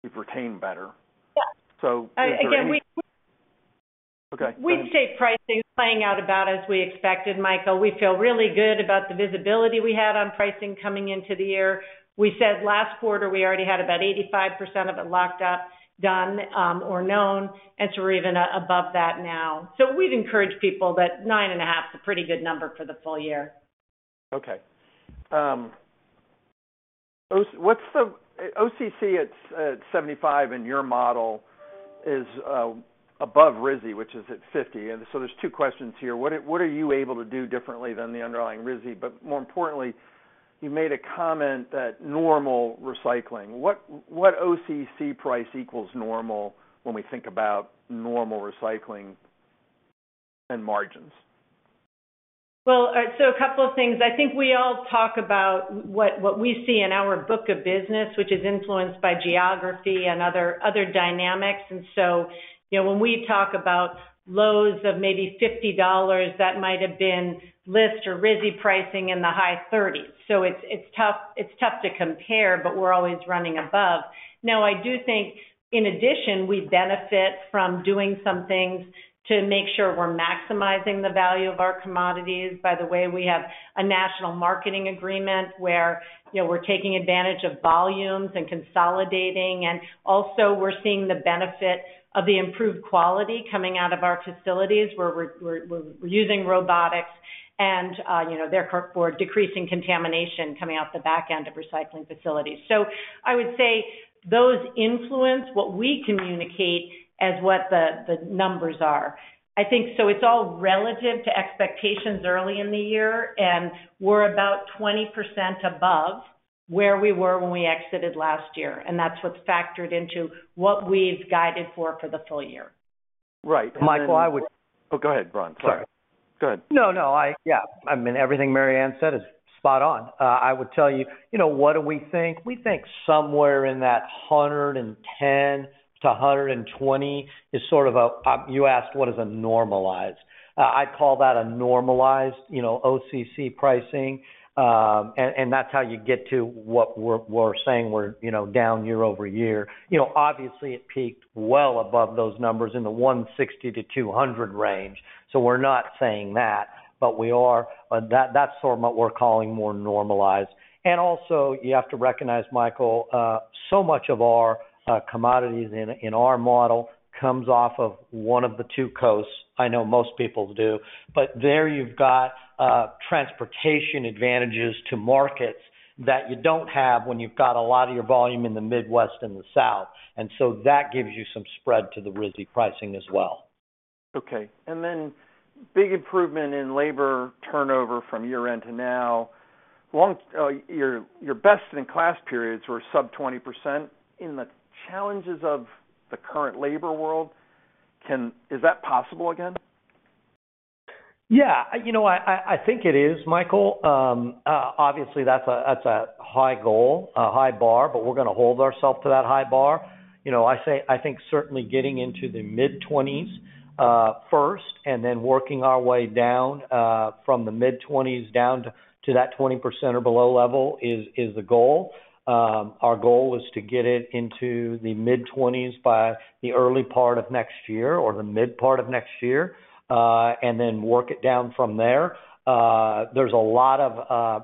You've retained better. Yeah. So is there any- Again. Okay. We'd say pricing is playing out about as we expected, Michael. We feel really good about the visibility we had on pricing coming into the year. We said last quarter, we already had about 85% of it locked up, done, or known, and so we're even above that now. We'd encourage people that 9.5 is a pretty good number for the full year. Okay, OCC at, at 75 in your model is above RISI, which is at 50. There's 2 questions here: What are, what are you able to do differently than the underlying RISI? More importantly, you made a comment that normal recycling. What, what OCC price equals normal when we think about normal recycling and margins? Well, so a couple of things. I think we all talk about what, what we see in our book of business, which is influenced by geography and other, other dynamics. You know, when we talk about lows of maybe $50, that might have been list or RISI pricing in the high 30s. It's, it's tough, it's tough to compare, but we're always running above. I do think, in addition, we benefit from doing some things to make sure we're maximizing the value of our commodities. We have a national marketing agreement where, you know, we're taking advantage of volumes and consolidating, and also we're seeing the benefit of the improved quality coming out of our facilities, where we're, we're, we're using robotics and, you know, they're for decreasing contamination coming out the back end of recycling facilities. I would say those influence what we communicate as what the numbers are. I think it's all relative to expectations early in the year. We're about 20% above where we were when we exited last year. That's what's factored into what we've guided for the full year.... Right, Michael, I would... Oh, go ahead, Brian. Sorry. Sorry. Go ahead. No, I mean, everything Mary Anne said is spot on. I would tell you, you know, what do we think? We think somewhere in that 110 to 120 is sort of a. You asked what is a normalized. I'd call that a normalized, you know, OCC pricing. That's how you get to what we're, we're saying we're, you know, down year-over-year. You know, obviously, it peaked well above those numbers in the 160-200 range. We're not saying that, but we are. That's sort of what we're calling more normalized. Also, you have to recognize, Michael, so much of our commodities in, in our model comes off of one of the two coasts. I know most people do. There you've got transportation advantages to markets that you don't have when you've got a lot of your volume in the Midwest and the South, and so that gives you some spread to the RISI pricing as well. Okay. Big improvement in labor turnover from year-end to now. Long, your, your best-in-class periods were sub 20% in the challenges of the current labor world, is that possible again? Yeah, you know, I, I, I think it is, Michael. Obviously, that's a, that's a high goal, a high bar, but we're going to hold ourself to that high bar. You know, I say, I think certainly getting into the mid-20s, first, and then working our way down, from the mid-20s down to, to that 20% or below level is, is the goal. Our goal is to get it into the mid-20s by the early part of next year or the mid part of next year, and then work it down from there. There's a lot of,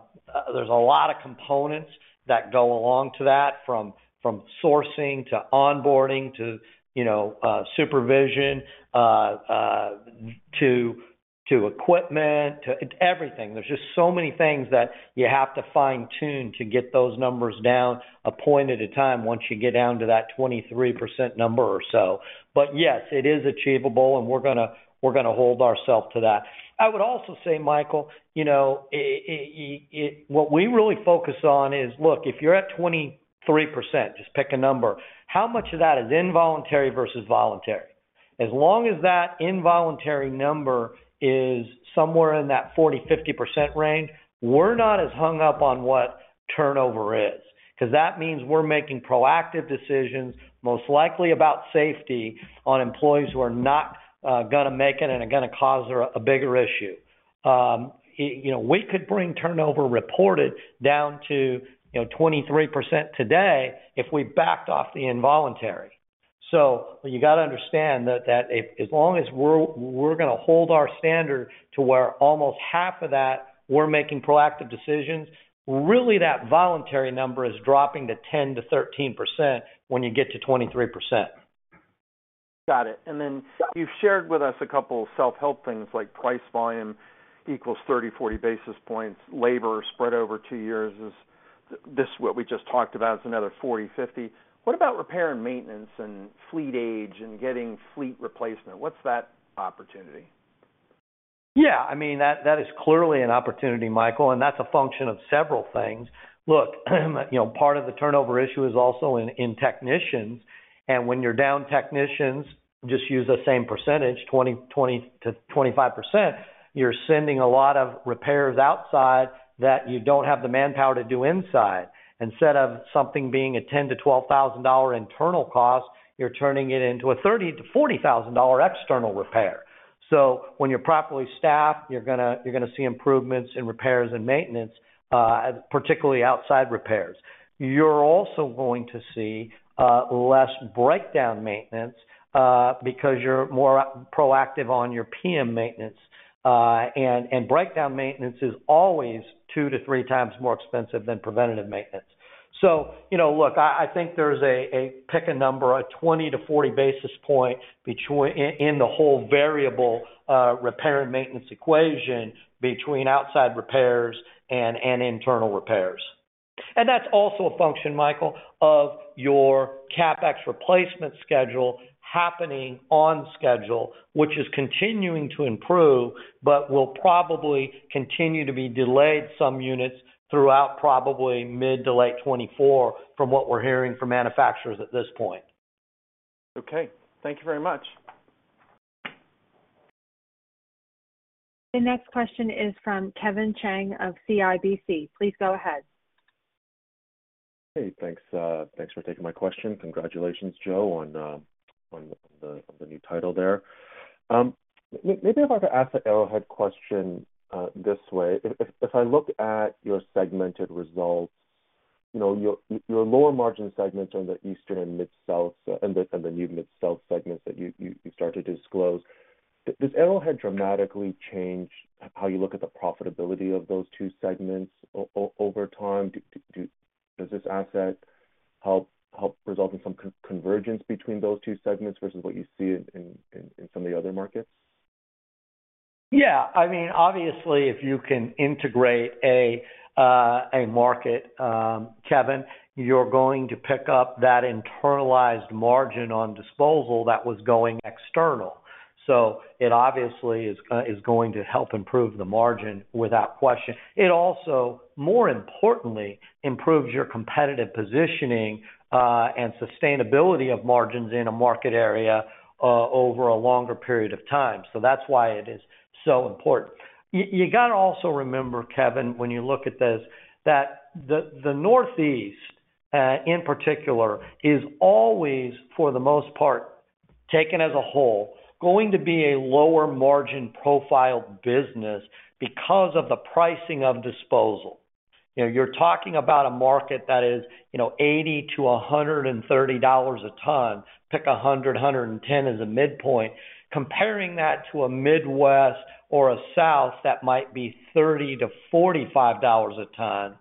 there's a lot of components that go along to that, from, from sourcing to onboarding to, you know, supervision, to, to equipment, to everything. There's just so many things that you have to fine-tune to get those numbers down a point at a time once you get down to that 23% number or so. Yes, it is achievable, and we're gonna, we're gonna hold ourself to that. I would also say, Michael, you know, it, it, what we really focus on is, look, if you're at 23%, just pick a number, how much of that is involuntary versus voluntary? As long as that involuntary number is somewhere in that 40%-50% range, we're not as hung up on what turnover is, 'cause that means we're making proactive decisions, most likely about safety, on employees who are not gonna make it and are gonna cause her a bigger issue. you know, we could bring turnover reported down to, you know, 23% today if we backed off the involuntary. You got to understand that as long as we're gonna hold our standard to where almost half of that, we're making proactive decisions, really, that voluntary number is dropping to 10%-13% when you get to 23%. Got it. Then you've shared with us a couple of self-help things, like price volume equals 30-40 basis points. Labor spread over 2 years is... This what we just talked about is another 40-50 basis points. What about repair and maintenance and fleet age and getting fleet replacement? What's that opportunity? Yeah, I mean, that, that is clearly an opportunity, Michael, and that's a function of several things. Look, you know, part of the turnover issue is also in, in technicians, and when you're down technicians, just use the same percentage, 20%-25%, you're sending a lot of repairs outside that you don't have the manpower to do inside. Instead of something being a $10,000-$12,000 internal cost, you're turning it into a $30,000-$40,000 external repair. When you're properly staffed, you're gonna, you're gonna see improvements in repairs and maintenance, particularly outside repairs. You're also going to see less breakdown maintenance because you're more proactive on your PM maintenance. Breakdown maintenance is always 2 to 3 times more expensive than preventative maintenance. you know, look, I, I think there's a, a, pick a number, a 20-40 basis points in the whole variable, repair and maintenance equation between outside repairs and, and internal repairs. That's also a function, Michael, of your CapEx replacement schedule happening on schedule, which is continuing to improve, but will probably continue to be delayed some units throughout probably mid to late 2024, from what we're hearing from manufacturers at this point. Okay. Thank you very much. The next question is from Kevin Chiang of CIBC. Please go ahead. Hey, thanks, thanks for taking my question. Congratulations, Joe, on the, on the new title there. maybe if I could ask the Arrowhead question this way: If I look at your segmented results, you know, your, your lower margin segments on the Eastern and Mid South and the, and the new Mid South segments that you started to disclose, does Arrowhead dramatically change how you look at the profitability of those two segments over time? Does this asset help result in some convergence between those two segments versus what you see in some of the other markets? Yeah. I mean, obviously, if you can integrate a market, Kevin, you're going to pick up that internalized margin on disposal that was going external. It obviously is kinda-- is going to help improve the margin without question. It also, more importantly, improves your competitive positioning and sustainability of margins in a market area over a longer period of time. That's why it is so important. You, you got to also remember, Kevin, when you look at this, that the, the Northeast, in particular, is always, for the most part-... taken as a whole, going to be a lower margin profile business because of the pricing of disposal. You know, you're talking about a market that is $80-$130 a ton, pick $100-$110 as a midpoint, comparing that to a Midwest or a South, that might be $30-$45 a ton.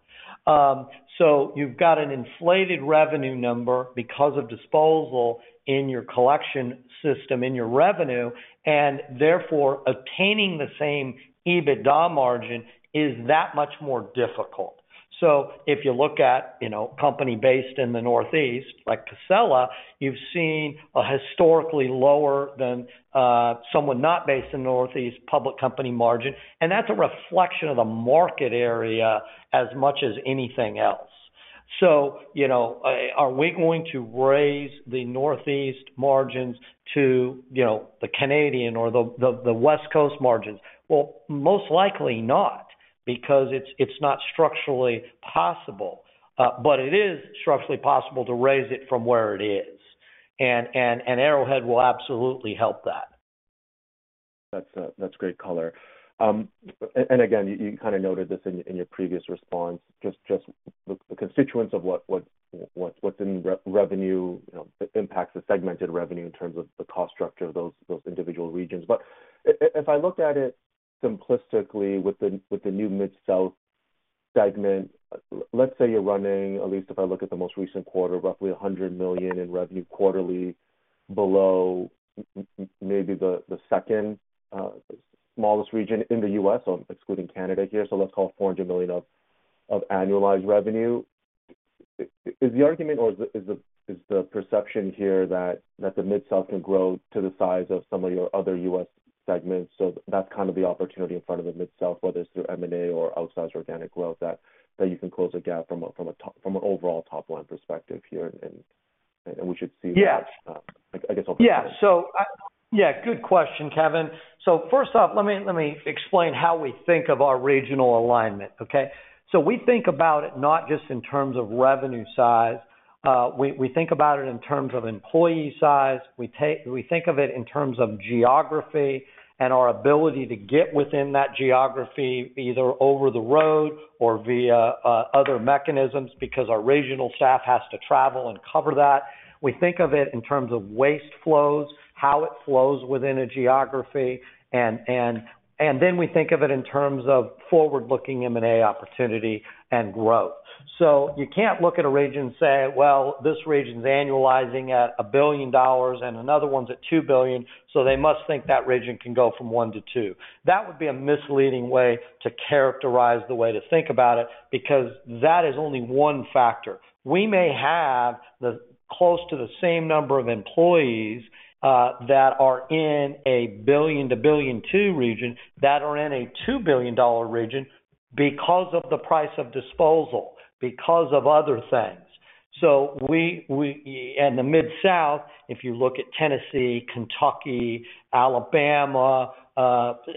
You've got an inflated revenue number because of disposal in your collection system, in your revenue, and therefore obtaining the same EBITDA margin is that much more difficult. If you look at, you know, company based in the Northeast, like Casella, you've seen a historically lower than someone not based in Northeast public company margin, and that's a reflection of the market area as much as anything else. You know, are we going to raise the Northeast margins to the Canadian or the West Coast margins? Well, most likely not, because it's, it's not structurally possible, but it is structurally possible to raise it from where it is. And, and Arrowhead will absolutely help that. That's, that's great color. Again, you, you kind of noted this in, in your previous response, just, just the constituents of what's in revenue, you know, impacts the segmented revenue in terms of the cost structure of those, those individual regions. If I looked at it simplistically with the, with the new Mid-South segment, let's say you're running, at least if I look at the most recent quarter, roughly $100 million in revenue quarterly below maybe the, the second smallest region in the US, so excluding Canada here, so let's call it $400 million of annualized revenue. Is the argument or is the perception here that the Mid-South can grow to the size of some of your other U.S. segments, so that's kind of the opportunity in front of the Mid-South, whether it's through M&A or outsized organic growth, that you can close the gap from a top... From an overall top-line perspective here, and we should see? Yeah. I guess. Yeah. Yeah, good question, Kevin. First off, let me, let me explain how we think of our regional alignment, okay? We think about it not just in terms of revenue size, we, we think about it in terms of employee size. We think of it in terms of geography and our ability to get within that geography, either over the road or via other mechanisms, because our regional staff has to travel and cover that. We think of it in terms of waste flows, how it flows within a geography, and then we think of it in terms of forward-looking M&A opportunity and growth. You can't look at a region and say, well, this region's annualizing at $1 billion and another one's at $2 billion, so they must think that region can go from 1 to 2. That would be a misleading way to characterize the way to think about it, because that is only one factor. We may have the close to the same number of employees that are in a $1 billion-$1.2 billion region, that are in a $2 billion region because of the price of disposal, because of other things. We, we, in the Mid-South, if you look at Tennessee, Kentucky, Alabama,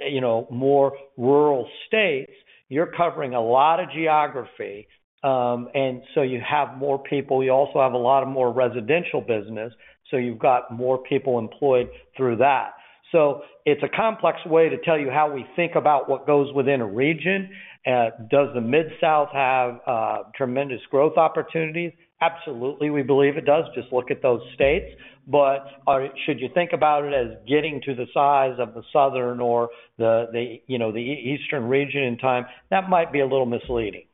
you know, more rural states, you're covering a lot of geography, you have more people. You also have a lot of more residential business, you've got more people employed through that. It's a complex way to tell you how we think about what goes within a region. Does the Mid-South have tremendous growth opportunities? Absolutely, we believe it does. Just look at those states. Are... Should you think about it as getting to the size of the southern or the, you know, the Eastern region in time? That might be a little misleading.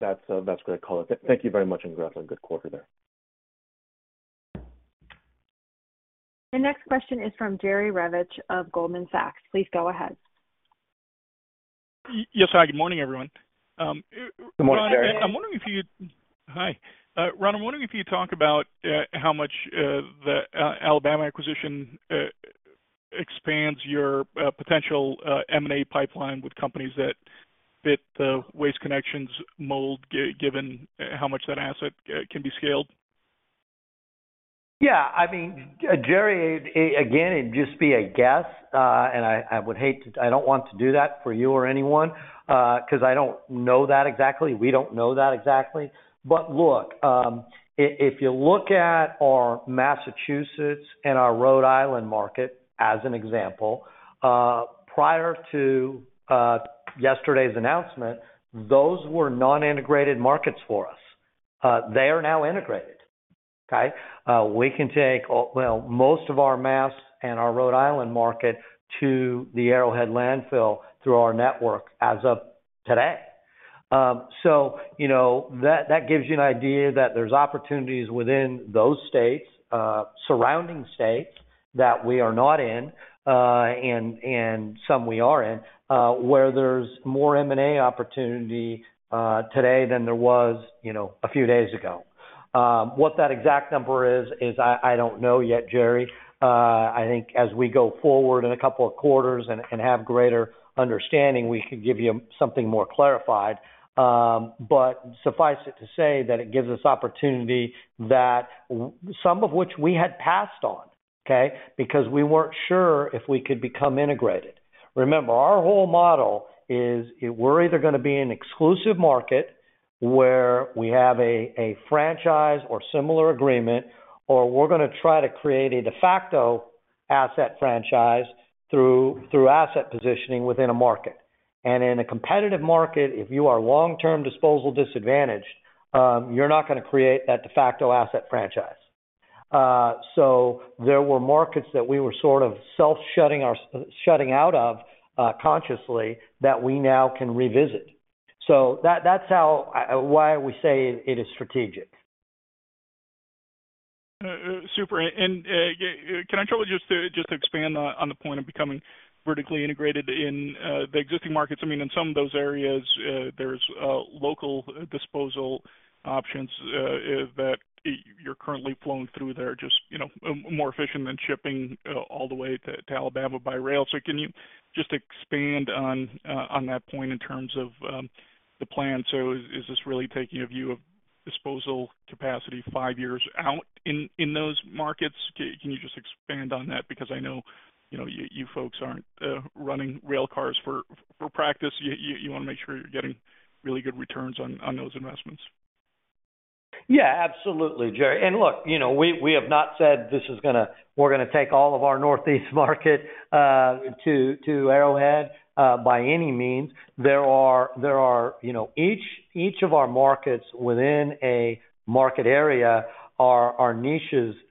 That's great color. Thank you very much, and congrats on a good quarter there. The next question is from Jerry Revich of Goldman Sachs. Please go ahead. yes, hi, good morning, everyone. Good morning, Jerry. Hi. Ron, I'm wondering if you talk about how much the Alabama acquisition expands your potential M&A pipeline with companies that fit the Waste Connections mold, given how much that asset can be scaled? Yeah, I mean, Jerry, again, it'd just be a guess. I don't want to do that for you or anyone, because I don't know that exactly. We don't know that exactly. Look, if you look at our Massachusetts and our Rhode Island market, as an example, prior to yesterday's announcement, those were non-integrated markets for us. They are now integrated, okay? We can take, well, most of our Mass and our Rhode Island market to the Arrowhead landfill through our network as of today. You know, that, that gives you an idea that there's opportunities within those states, surrounding states that we are not in, and some we are in, where there's more M&A opportunity today than there was, you know, a few days ago. What that exact number is, is I don't know yet, Jerry. I think as we go forward in 2 quarters and have greater understanding, we could give you something more clarified. Suffice it to say that it gives us opportunity that some of which we had passed on, okay? Because we weren't sure if we could become integrated. Remember, our whole model is, we're either going to be an exclusive market where we have a franchise or similar agreement, or we're gonna try to create a de facto asset franchise through asset positioning within a market. In a competitive market, if you are long-term disposal disadvantaged, you're not gonna create that de facto asset franchise. There were markets that we were sort of self-shutting shutting out of, consciously that we now can revisit. That- that's how, why we say it is strategic. Super. Can I trouble you just to, just to expand on, on the point of becoming vertically integrated in, the existing markets? I mean, in some of those areas, there's, local disposal options, that you're currently flowing through there, just, you know, more efficient than shipping, all the way to, to Alabama by rail. Can you just expand on, on that point in terms of, the plan? Is this really taking a view of disposal capacity 5 years out in, in those markets? Can you just expand on that? Because I know, you know, you folks aren't, running rail cars for, for practice. You wanna make sure you're getting really good returns on, on those investments. Yeah, absolutely, Jerry. Look, you know, we have not said this is gonna take all of our Northeast market to Arrowhead by any means. There are, there are niches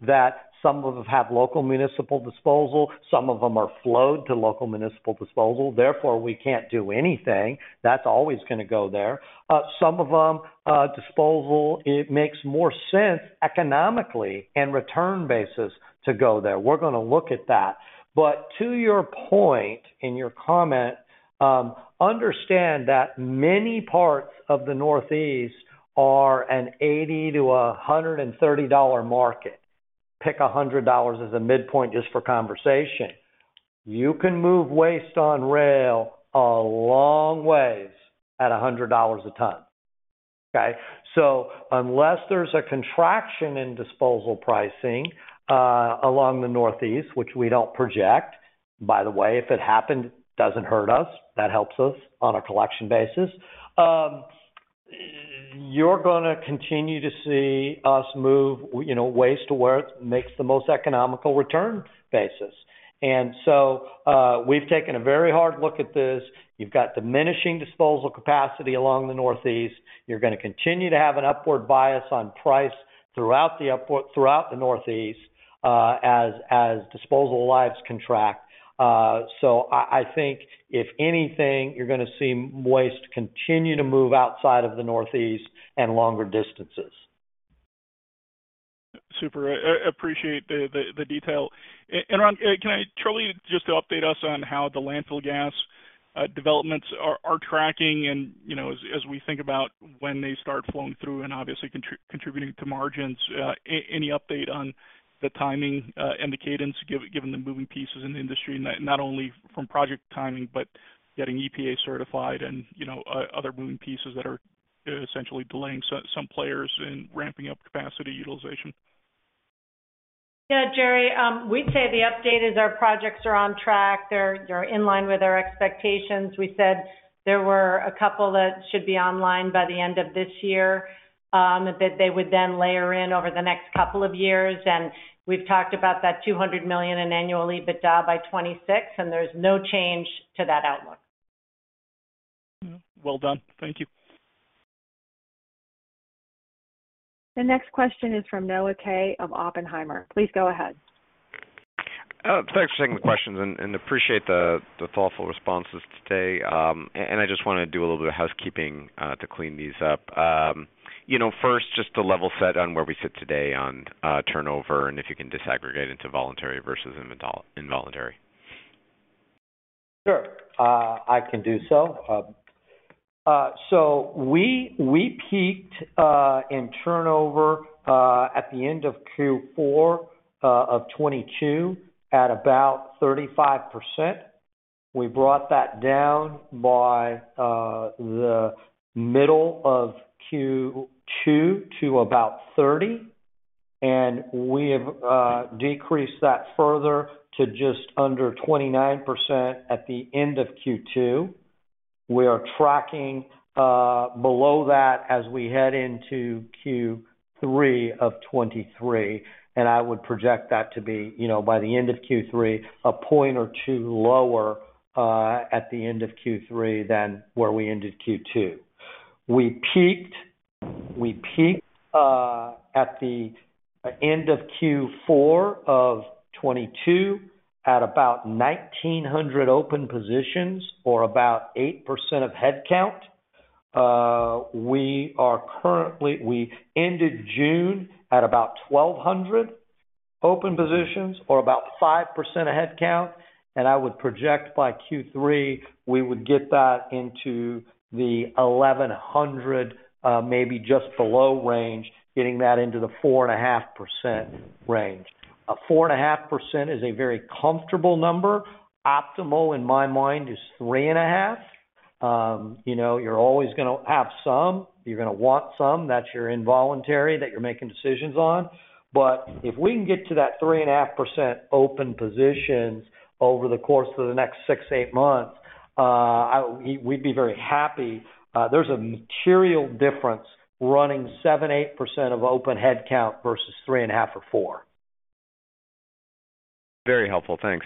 that some of them have local municipal disposal, some of them are flowed to local municipal disposal, therefore, we can't do anything. That's always gonna go there. Some of them, disposal, it makes more sense economically and return basis to go there. We're gonna look at that. To your point, in your comment, understand that many parts of the Northeast are an $80-$130 market. Pick $100 as a midpoint just for conversation. You can move waste on rail a long ways at $100 a ton, okay? Unless there's a contraction in disposal pricing, along the Northeast, which we don't project, by the way, if it happened, doesn't hurt us, that helps us on a collection basis. You're gonna continue to see us move, you know, waste to where it makes the most economical return basis. We've taken a very hard look at this. You've got diminishing disposal capacity along the Northeast. You're gonna continue to have an upward bias on price throughout the Northeast, as disposal lives contract. I think if anything, you're gonna see waste continue to move outside of the Northeast and longer distances. Super. I, I appreciate the, the, the detail. Ron, can I... Charlie, just to update us on how the landfill gas developments are tracking and, you know, as, as we think about when they start flowing through and obviously contributing to margins. Any update on the timing and the cadence, given the moving pieces in the industry, not only from project timing, but getting EPA certified and, you know, other moving pieces that are essentially delaying some, some players in ramping up capacity utilization? Yeah, Jerry, we'd say the update is our projects are on track. They're, they're in line with our expectations. We said there were a couple that should be online by the end of this year, that they would then layer in over the next couple of years, and we've talked about that $200 million in annually EBITDA by 2026. There's no change to that outlook. Well done. Thank you. The next question is from Noah Kaye of Oppenheimer. Please go ahead. Thanks for taking the questions and, and appreciate the, the thoughtful responses today. I just wanna do a little bit of housekeeping to clean these up. You know, first, just to level set on where we sit today on turnover, and if you can disaggregate into voluntary versus involuntary? Sure, I can do so. We, we peaked in turnover at the end of Q4 of 2022, at about 35%. We brought that down by the middle of Q2 to about 30, and we have decreased that further to just under 29% at the end of Q2. We are tracking below that as we head into Q3 of 2023. I would project that to be, you know, by the end of Q3, a point or two lower at the end of Q3 than where we ended Q2. We peaked, we peaked at the end of Q4 of 2022, at about 1,900 open positions, or about 8% of headcount. we are currently we ended June at about 1,200 open positions or about 5% of headcount, and I would project by Q3, we would get that into the 1,100, maybe just below range, getting that into the 4.5% range. A 4.5% is a very comfortable number. Optimal, in my mind, is 3.5%. you know, you're always gonna have some, you're gonna want some, that's your involuntary, that you're making decisions on. But if we can get to that 3.5% open positions over the course of the next 6, 8 months, we'd be very happy. there's a material difference running 7%, 8% of open headcount versus 3.5% or 4%.... Very helpful. Thanks.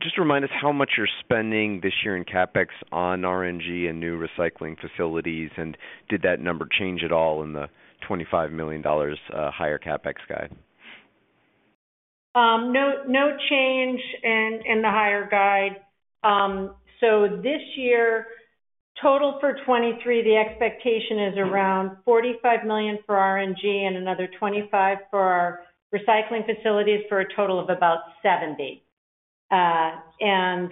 Just remind us how much you're spending this year in CapEx on RNG and new recycling facilities, and did that number change at all in the $25 million higher CapEx guide? No, no change in, in the higher guide. This year, total for 2023, the expectation is around $45 million for RNG and another $25 million for our recycling facilities, for a total of about $70 million.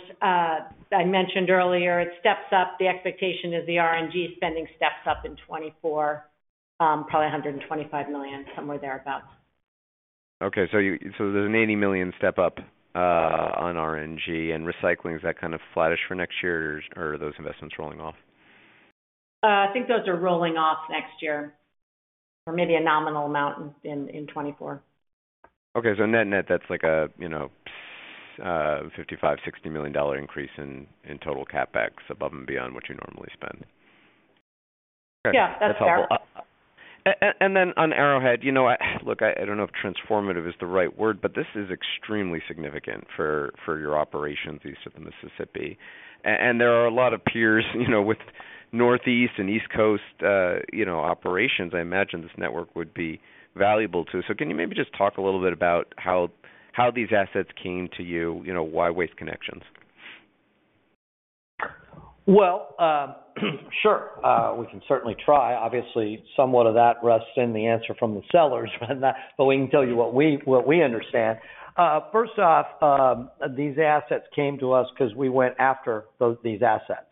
I mentioned earlier, it steps up. The expectation is the RNG spending steps up in 2024, probably $125 million, somewhere there about. Okay. So there's an $80 million step up on RNG and recycling. Is that kind of flattish for next year, or are those investments rolling off? I think those are rolling off next year, or maybe a nominal amount in 2024. Okay. net-net, that's like a, you know, $55 million-$60 million increase in, in total CapEx above and beyond what you normally spend. Yeah, that's fair. Then on Arrowhead, you know, I, look, I, I don't know if transformative is the right word, but this is extremely significant for, for your operations east of the Mississippi. And there are a lot of peers, you know, with Northeast and East Coast, you know, operations, I imagine this network would be valuable, too. Can you maybe just talk a little bit about how, how these assets came to you? You know, why Waste Connections? Well, sure. We can certainly try. Obviously, somewhat of that rests in the answer from the sellers, but we can tell you what we, what we understand. First off, these assets came to us because we went after these assets.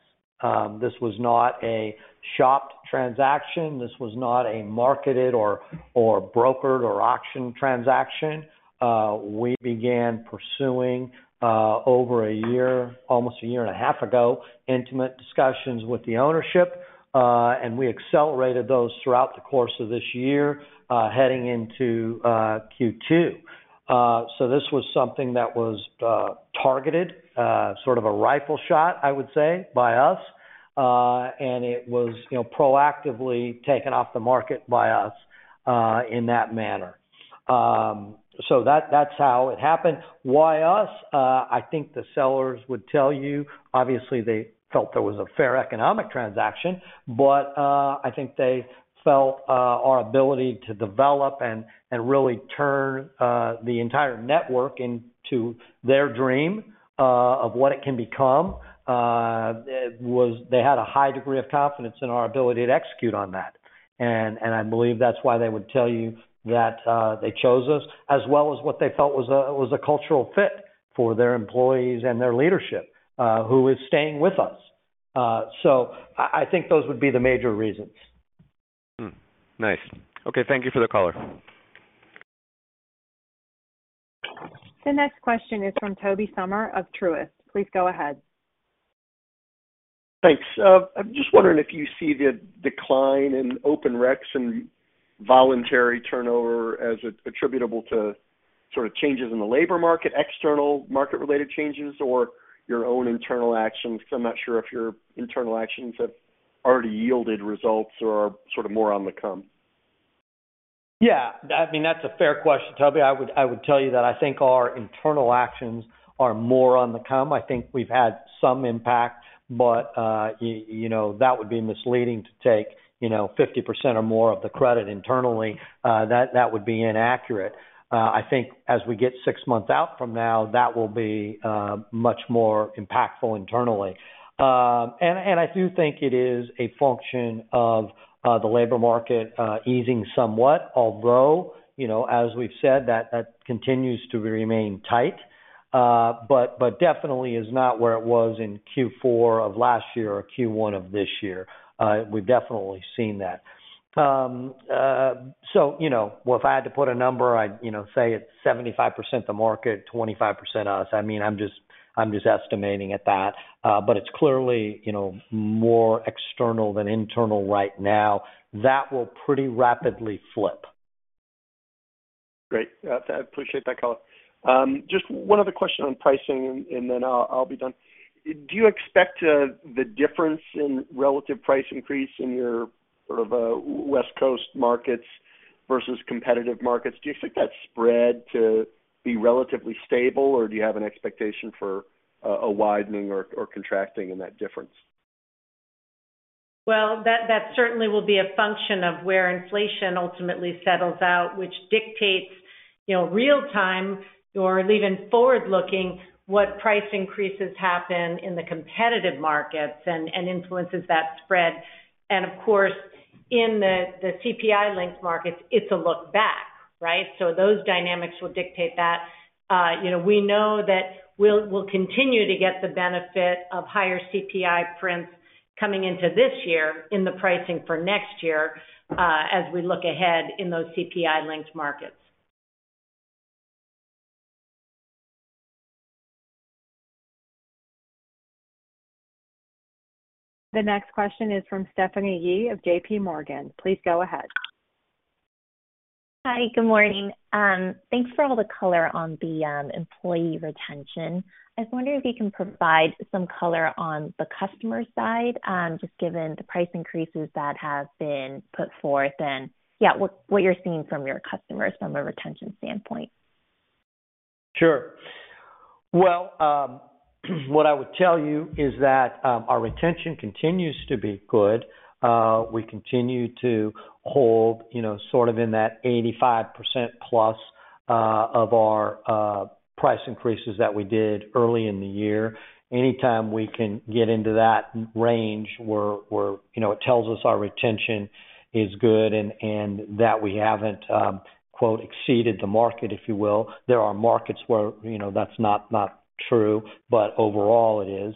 This was not a shopped transaction. This was not a marketed or, or brokered, or auction transaction. We began pursuing over 1 year, almost 1.5 years ago, intimate discussions with the ownership, and we accelerated those throughout the course of this year, heading into Q2. This was something that was targeted, sort of a rifle shot, I would say, by us. It was, you know, proactively taken off the market by us in that manner. That's how it happened. Why us? I think the sellers would tell you, obviously, they felt it was a fair economic transaction, but I think they felt our ability to develop and really turn the entire network into their dream of what it can become. They had a high degree of confidence in our ability to execute on that. I believe that's why they would tell you that they chose us, as well as what they felt was a cultural fit for their employees and their leadership, who is staying with us. I think those would be the major reasons. Hmm, nice. Okay. Thank you for the color. The next question is from Tobey Sommer of Truist. Please go ahead. Thanks. I'm just wondering if you see the decline in open recs and voluntary turnover as attributable to sort of changes in the labor market, external market-related changes, or your own internal actions? I'm not sure if your internal actions have already yielded results or are sort of more on the come. Yeah, I mean, that's a fair question, Toby. I would, I would tell you that I think our internal actions are more on the come. I think we've had some impact, but, you know, that would be misleading to take, you know, 50% or more of the credit internally. That, that would be inaccurate. I think as we get 6 months out from now, that will be much more impactful internally. And I do think it is a function of the labor market easing somewhat, although, you know, as we've said, that continues to remain tight, but, but definitely is not where it was in Q4 of last year or Q1 of this year. We've definitely seen that. You know, well, if I had to put a number, I'd, you know, say it's 75% the market, 25% us. I mean, I'm just, I'm just estimating at that, but it's clearly, you know, more external than internal right now. That will pretty rapidly flip. Great. I appreciate that color. just 1 other question on pricing and, and then I'll, I'll be done. Do you expect the difference in relative price increase in your sort of West Coast markets versus competitive markets? Do you expect that spread to be relatively stable, or do you have an expectation for a widening or contracting in that difference? Well, that, that certainly will be a function of where inflation ultimately settles out, which dictates, you know, real time or even forward-looking, what price increases happen in the competitive markets and, and influences that spread. Of course, in the CPI-linked markets, it's a look back, right? Those dynamics will dictate that. You know, we know that we'll continue to get the benefit of higher CPI prints coming into this year, in the pricing for next year, as we look ahead in those CPI-linked markets. The next question is from Stephanie Yee of JPMorgan. Please go ahead. Hi, good morning. Thanks for all the color on the employee retention. I was wondering if you can provide some color on the customer side, just given the price increases that have been put forth, and, yeah, what, what you're seeing from your customers from a retention standpoint? Sure. Well, what I would tell you is that our retention continues to be good. We continue to hold, you know, sort of in that 85% plus of our price increases that we did early in the year. Anytime we can get into that range, we're, you know, it tells us our retention is good and that we haven't, quote, "exceeded the market," if you will. There are markets where, you know, that's not, not true, but overall it is.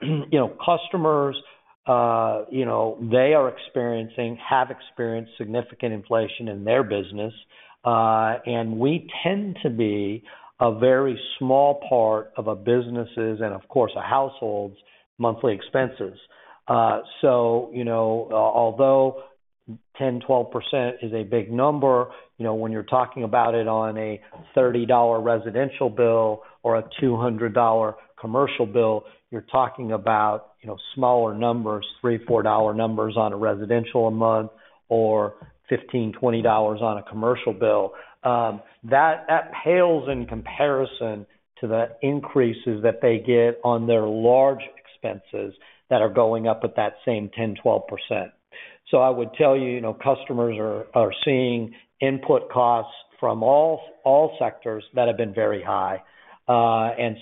You know, customers, you know, they are experiencing, have experienced significant inflation in their business, and we tend to be a very small part of a businesses and, of course, a household's monthly expenses. You know, although 10%-12% is a big number, you know, when you're talking about it on a $30 residential bill or a $200 commercial bill, you're talking about, you know, smaller numbers, $3-$4 numbers on a residential a month, or $15-$20 on a commercial bill. That, that pales in comparison to the increases that they get on their large expenses that are going up at that same 10%-12%. I would tell you, you know, customers are, are seeing input costs from all, all sectors that have been very high.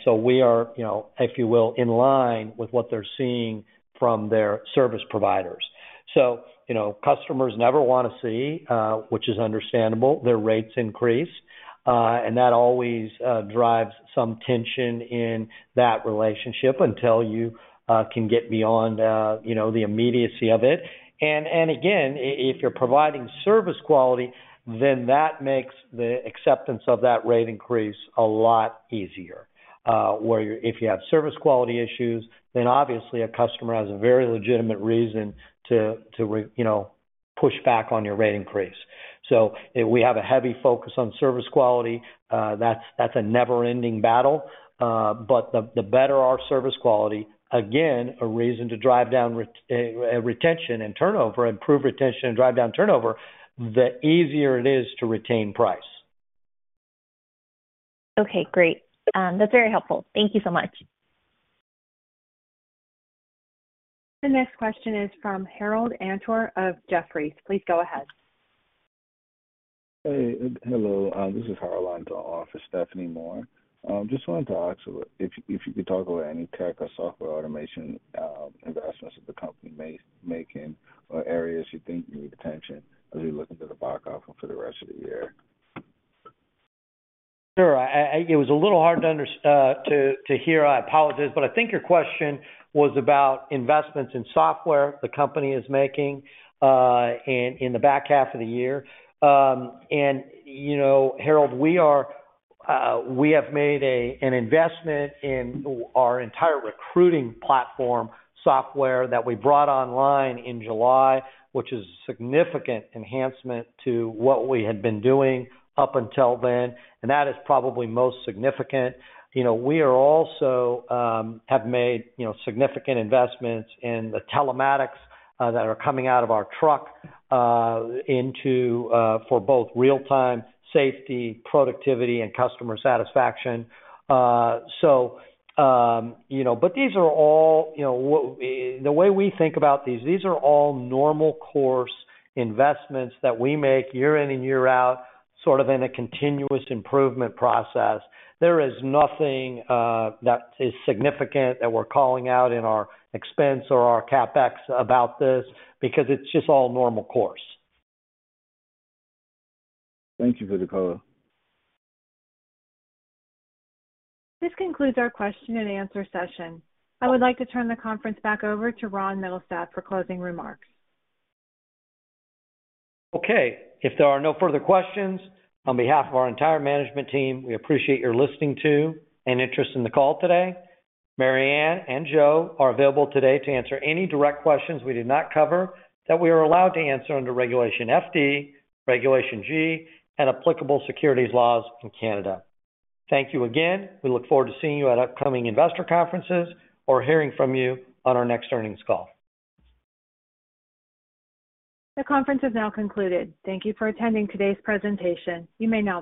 We are, you know, if you will, in line with what they're seeing from their service providers. You know, customers never want to see, which is understandable, their rates increase, and that always drives some tension in that relationship until you can get beyond, you know, the immediacy of it. And again, if you're providing service quality, then that makes the acceptance of that rate increase a lot easier. Where if you have service quality issues, then obviously a customer has a very legitimate reason to, you know, push back on your rate increase. We have a heavy focus on service quality. That's, that's a never-ending battle, but the, the better our service quality, again, a reason to drive down retention and turnover, improve retention and drive down turnover, the easier it is to retain price. Okay, great. That's very helpful. Thank you so much. The next question is from uncertain of Jefferies. Please go ahead. Hey, hello, this is uncertain office, Stephanie Moore. Just wanted to ask if, if you could talk about any tech or software automation, investments that the company may making or areas you think need attention as you look into the back office for the rest of the year? Sure. I, I... It was a little hard to hear. I apologize, but I think your question was about investments in software the company is making, in, in the back half of the year. You know, Harold, we are, we have made a, an investment in our entire recruiting platform software that we brought online in July, which is a significant enhancement to what we had been doing up until then, and that is probably most significant. You know, we are also, have made, you know, significant investments in the telematics, that are coming out of our truck, into, for both real-time safety, productivity, and customer satisfaction. You know, these are all, you know, the way we think about these, these are all normal course investments that we make year in and year out, sort of in a continuous improvement process. There is nothing that is significant that we're calling out in our expense or our CapEx about this because it's just all normal course. Thank you for the call. This concludes our question and answer session. I would like to turn the conference back over to Ron Mittelstaedt for closing remarks. Okay, if there are no further questions, on behalf of our entire management team, we appreciate your listening to and interest in the call today. Mary Anne and Joe are available today to answer any direct questions we did not cover that we are allowed to answer under Regulation FD, Regulation G, and applicable securities laws in Canada. Thank you again. We look forward to seeing you at upcoming investor conferences or hearing from you on our next earnings call. The conference is now concluded. Thank you for attending today's presentation. You may now disconnect.